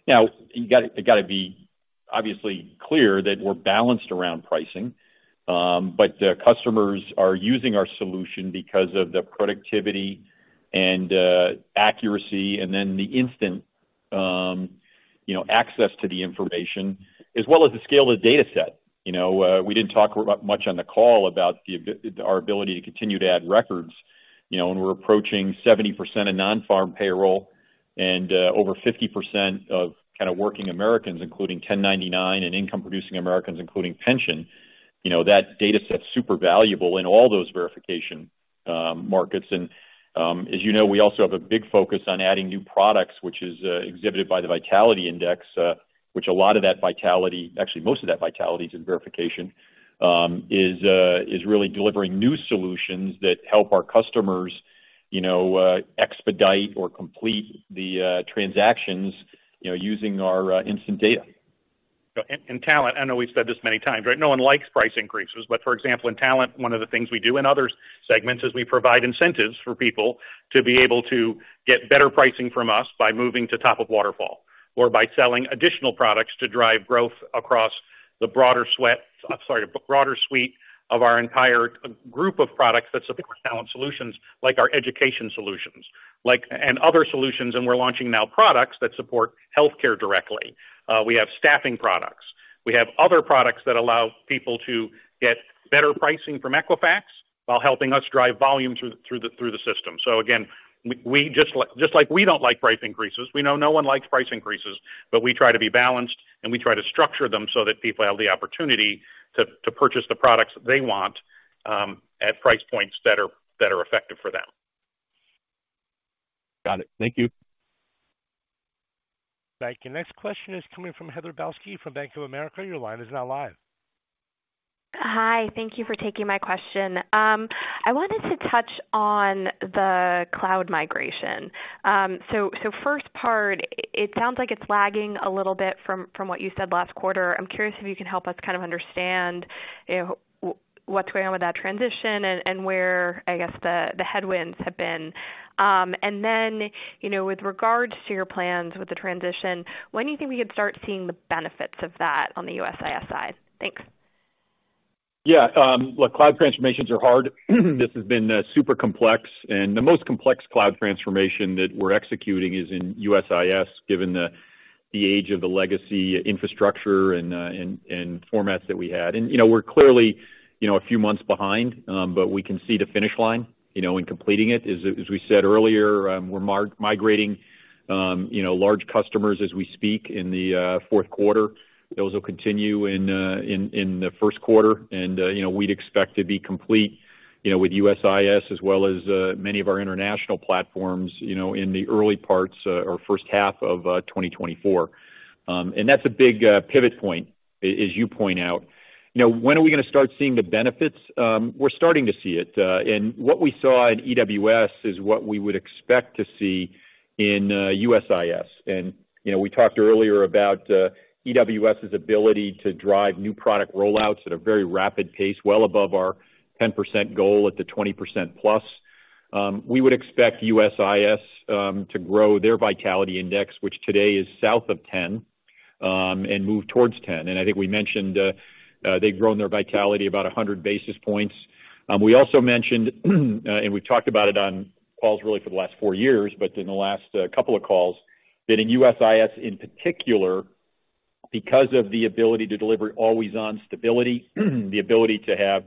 Speaker 3: Now, you gotta, you gotta be obviously clear that we're balanced around pricing, but the customers are using our solution because of the productivity and, accuracy, and then the instant, you know, access to the information, as well as the scale of the data set. You know, we didn't talk about much on the call about our ability to continue to add records. You know, and we're approaching 70% of non-farm payroll and, over 50% of kind of working Americans, including 1099, and income-producing Americans, including pension. You know, that data set's super valuable in all those verification, markets. As you know, we also have a big focus on adding new products, which is exhibited by the Vitality Index, which a lot of that vitality, actually, most of that vitality is in verification, really delivering new solutions that help our customers, you know, expedite or complete the transactions, you know, using our instant data.
Speaker 4: So in talent, I know we've said this many times, right? No one likes price increases. But for example, in talent, one of the things we do in other segments is we provide incentives for people to be able to get better pricing from us by moving to top of waterfall or by selling additional products to drive growth across-...
Speaker 3: the broader sweat, I'm sorry, broader suite of our entire group of products that support talent solutions, like our education solutions, like, and other solutions, and we're launching now products that support healthcare directly. We have staffing products. We have other products that allow people to get better pricing from Equifax while helping us drive volume through the system. So again, we just like—just like we don't like price increases, we know no one likes price increases, but we try to be balanced, and we try to structure them so that people have the opportunity to purchase the products they want at price points that are effective for them.
Speaker 2: Got it. Thank you.
Speaker 1: Thank you. Next question is coming from Heather Balsky from Bank of America. Your line is now live.
Speaker 20: Hi, thank you for taking my question. I wanted to touch on the cloud migration. So, first part, it sounds like it's lagging a little bit from what you said last quarter. I'm curious if you can help us kind of understand, you know, what's going on with that transition and where, I guess, the headwinds have been. And then, you know, with regards to your plans with the transition, when do you think we could start seeing the benefits of that on the USIS side? Thanks.
Speaker 3: Yeah, look, cloud transformations are hard. This has been super complex, and the most complex cloud transformation that we're executing is in USIS, given the age of the legacy infrastructure and formats that we had. And, you know, we're clearly, you know, a few months behind, but we can see the finish line, you know, in completing it. As we said earlier, we're migrating, you know, large customers as we speak in the Q4. Those will continue in the Q1, and, you know, we'd expect to be complete, you know, with USIS as well as many of our international platforms, you know, in the early parts or first half of 2024. And that's a big pivot point, as you point out. You know, when are we gonna start seeing the benefits? We're starting to see it. And what we saw in EWS is what we would expect to see in USIS. And, you know, we talked earlier about EWS's ability to drive new product rollouts at a very rapid pace, well above our 10% goal at the 20%+. We would expect USIS to grow their Vitality Index, which today is south of 10, and move towards 10. And I think we mentioned, they've grown their Vitality about 100 basis points. We also mentioned, and we've talked about it on calls really for the last four years, but in the last couple of calls, that in USIS, in particular, because of the ability to deliver always-on stability, the ability to have,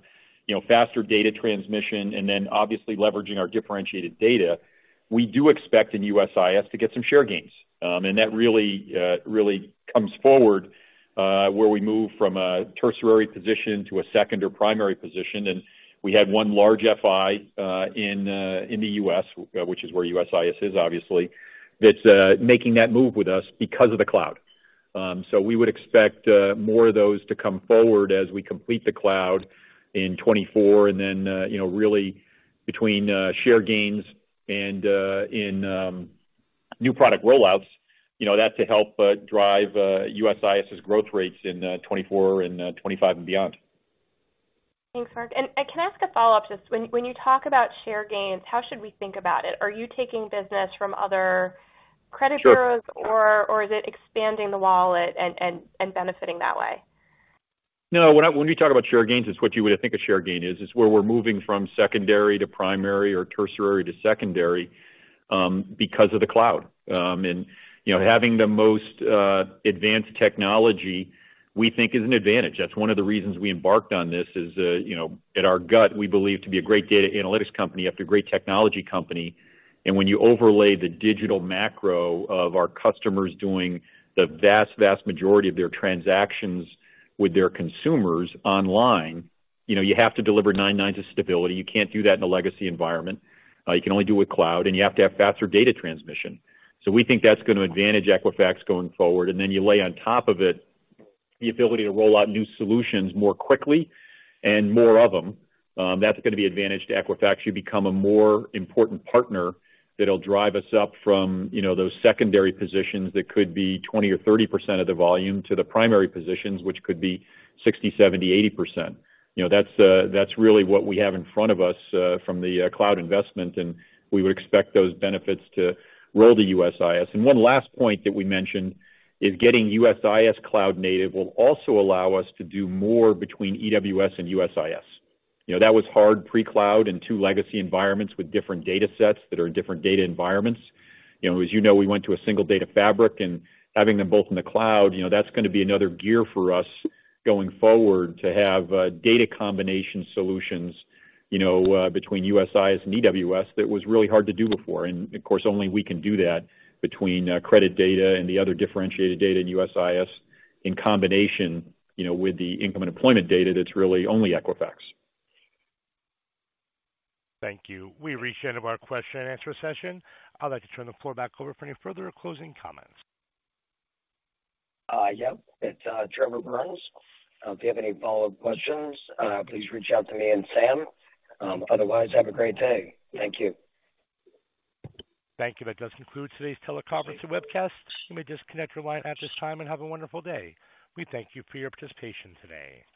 Speaker 3: you know, faster data transmission, and then obviously leveraging our differentiated data, we do expect in USIS to get some share gains. And that really really comes forward where we move from a tertiary position to a second or primary position. And we had one large FI in the U.S., which is where USIS is obviously, that's making that move with us because of the cloud. So we would expect more of those to come forward as we complete the cloud in 2024 and then, you know, really between share gains and new product rollouts, you know, that to help drive USIS's growth rates in 2024 and 2025 and beyond.
Speaker 20: Thanks, Mark. Can I ask a follow-up? Just when you talk about share gains, how should we think about it? Are you taking business from other credit bureaus?
Speaker 3: Sure.
Speaker 20: or is it expanding the wallet and benefiting that way?
Speaker 3: No, when we talk about share gains, it's what you would think a share gain is. It's where we're moving from secondary to primary or tertiary to secondary, because of the cloud. And, you know, having the most advanced technology, we think is an advantage. That's one of the reasons we embarked on this, is, you know, at our gut, we believe to be a great data analytics company after a great technology company. And when you overlay the digital macro of our customers doing the vast, vast majority of their transactions with their consumers online, you know, you have to deliver 99 to stability. You can't do that in a legacy environment. You can only do with cloud, and you have to have faster data transmission. So we think that's gonna advantage Equifax going forward, and then you lay on top of it, the ability to roll out new solutions more quickly and more of them. That's gonna be advantage to Equifax. You become a more important partner that'll drive us up from, you know, those secondary positions that could be 20 or 30% of the volume, to the primary positions, which could be 60, 70, 80%. You know, that's really what we have in front of us, from the cloud investment, and we would expect those benefits to roll to USIS. And one last point that we mentioned is getting USIS cloud-native will also allow us to do more between EWS and USIS. You know, that was hard pre-cloud and two legacy environments with different data sets that are in different data environments. You know, as you know, we went to a single data fabric and having them both in the cloud, you know, that's gonna be another gear for us going forward, to have data combination solutions, you know, between USIS and EWS that was really hard to do before. And of course, only we can do that between credit data and the other differentiated data in USIS, in combination, you know, with the income and employment data, that's really only Equifax.
Speaker 1: Thank you. We've reached the end of our question and answer session. I'd like to turn the floor back over for any further closing comments.
Speaker 2: Yeah, it's Trevor Burns. If you have any follow-up questions, please reach out to me and Sam. Otherwise, have a great day. Thank you.
Speaker 1: Thank you. That does conclude today's teleconference and webcast. You may disconnect your line at this time and have a wonderful day. We thank you for your participation today.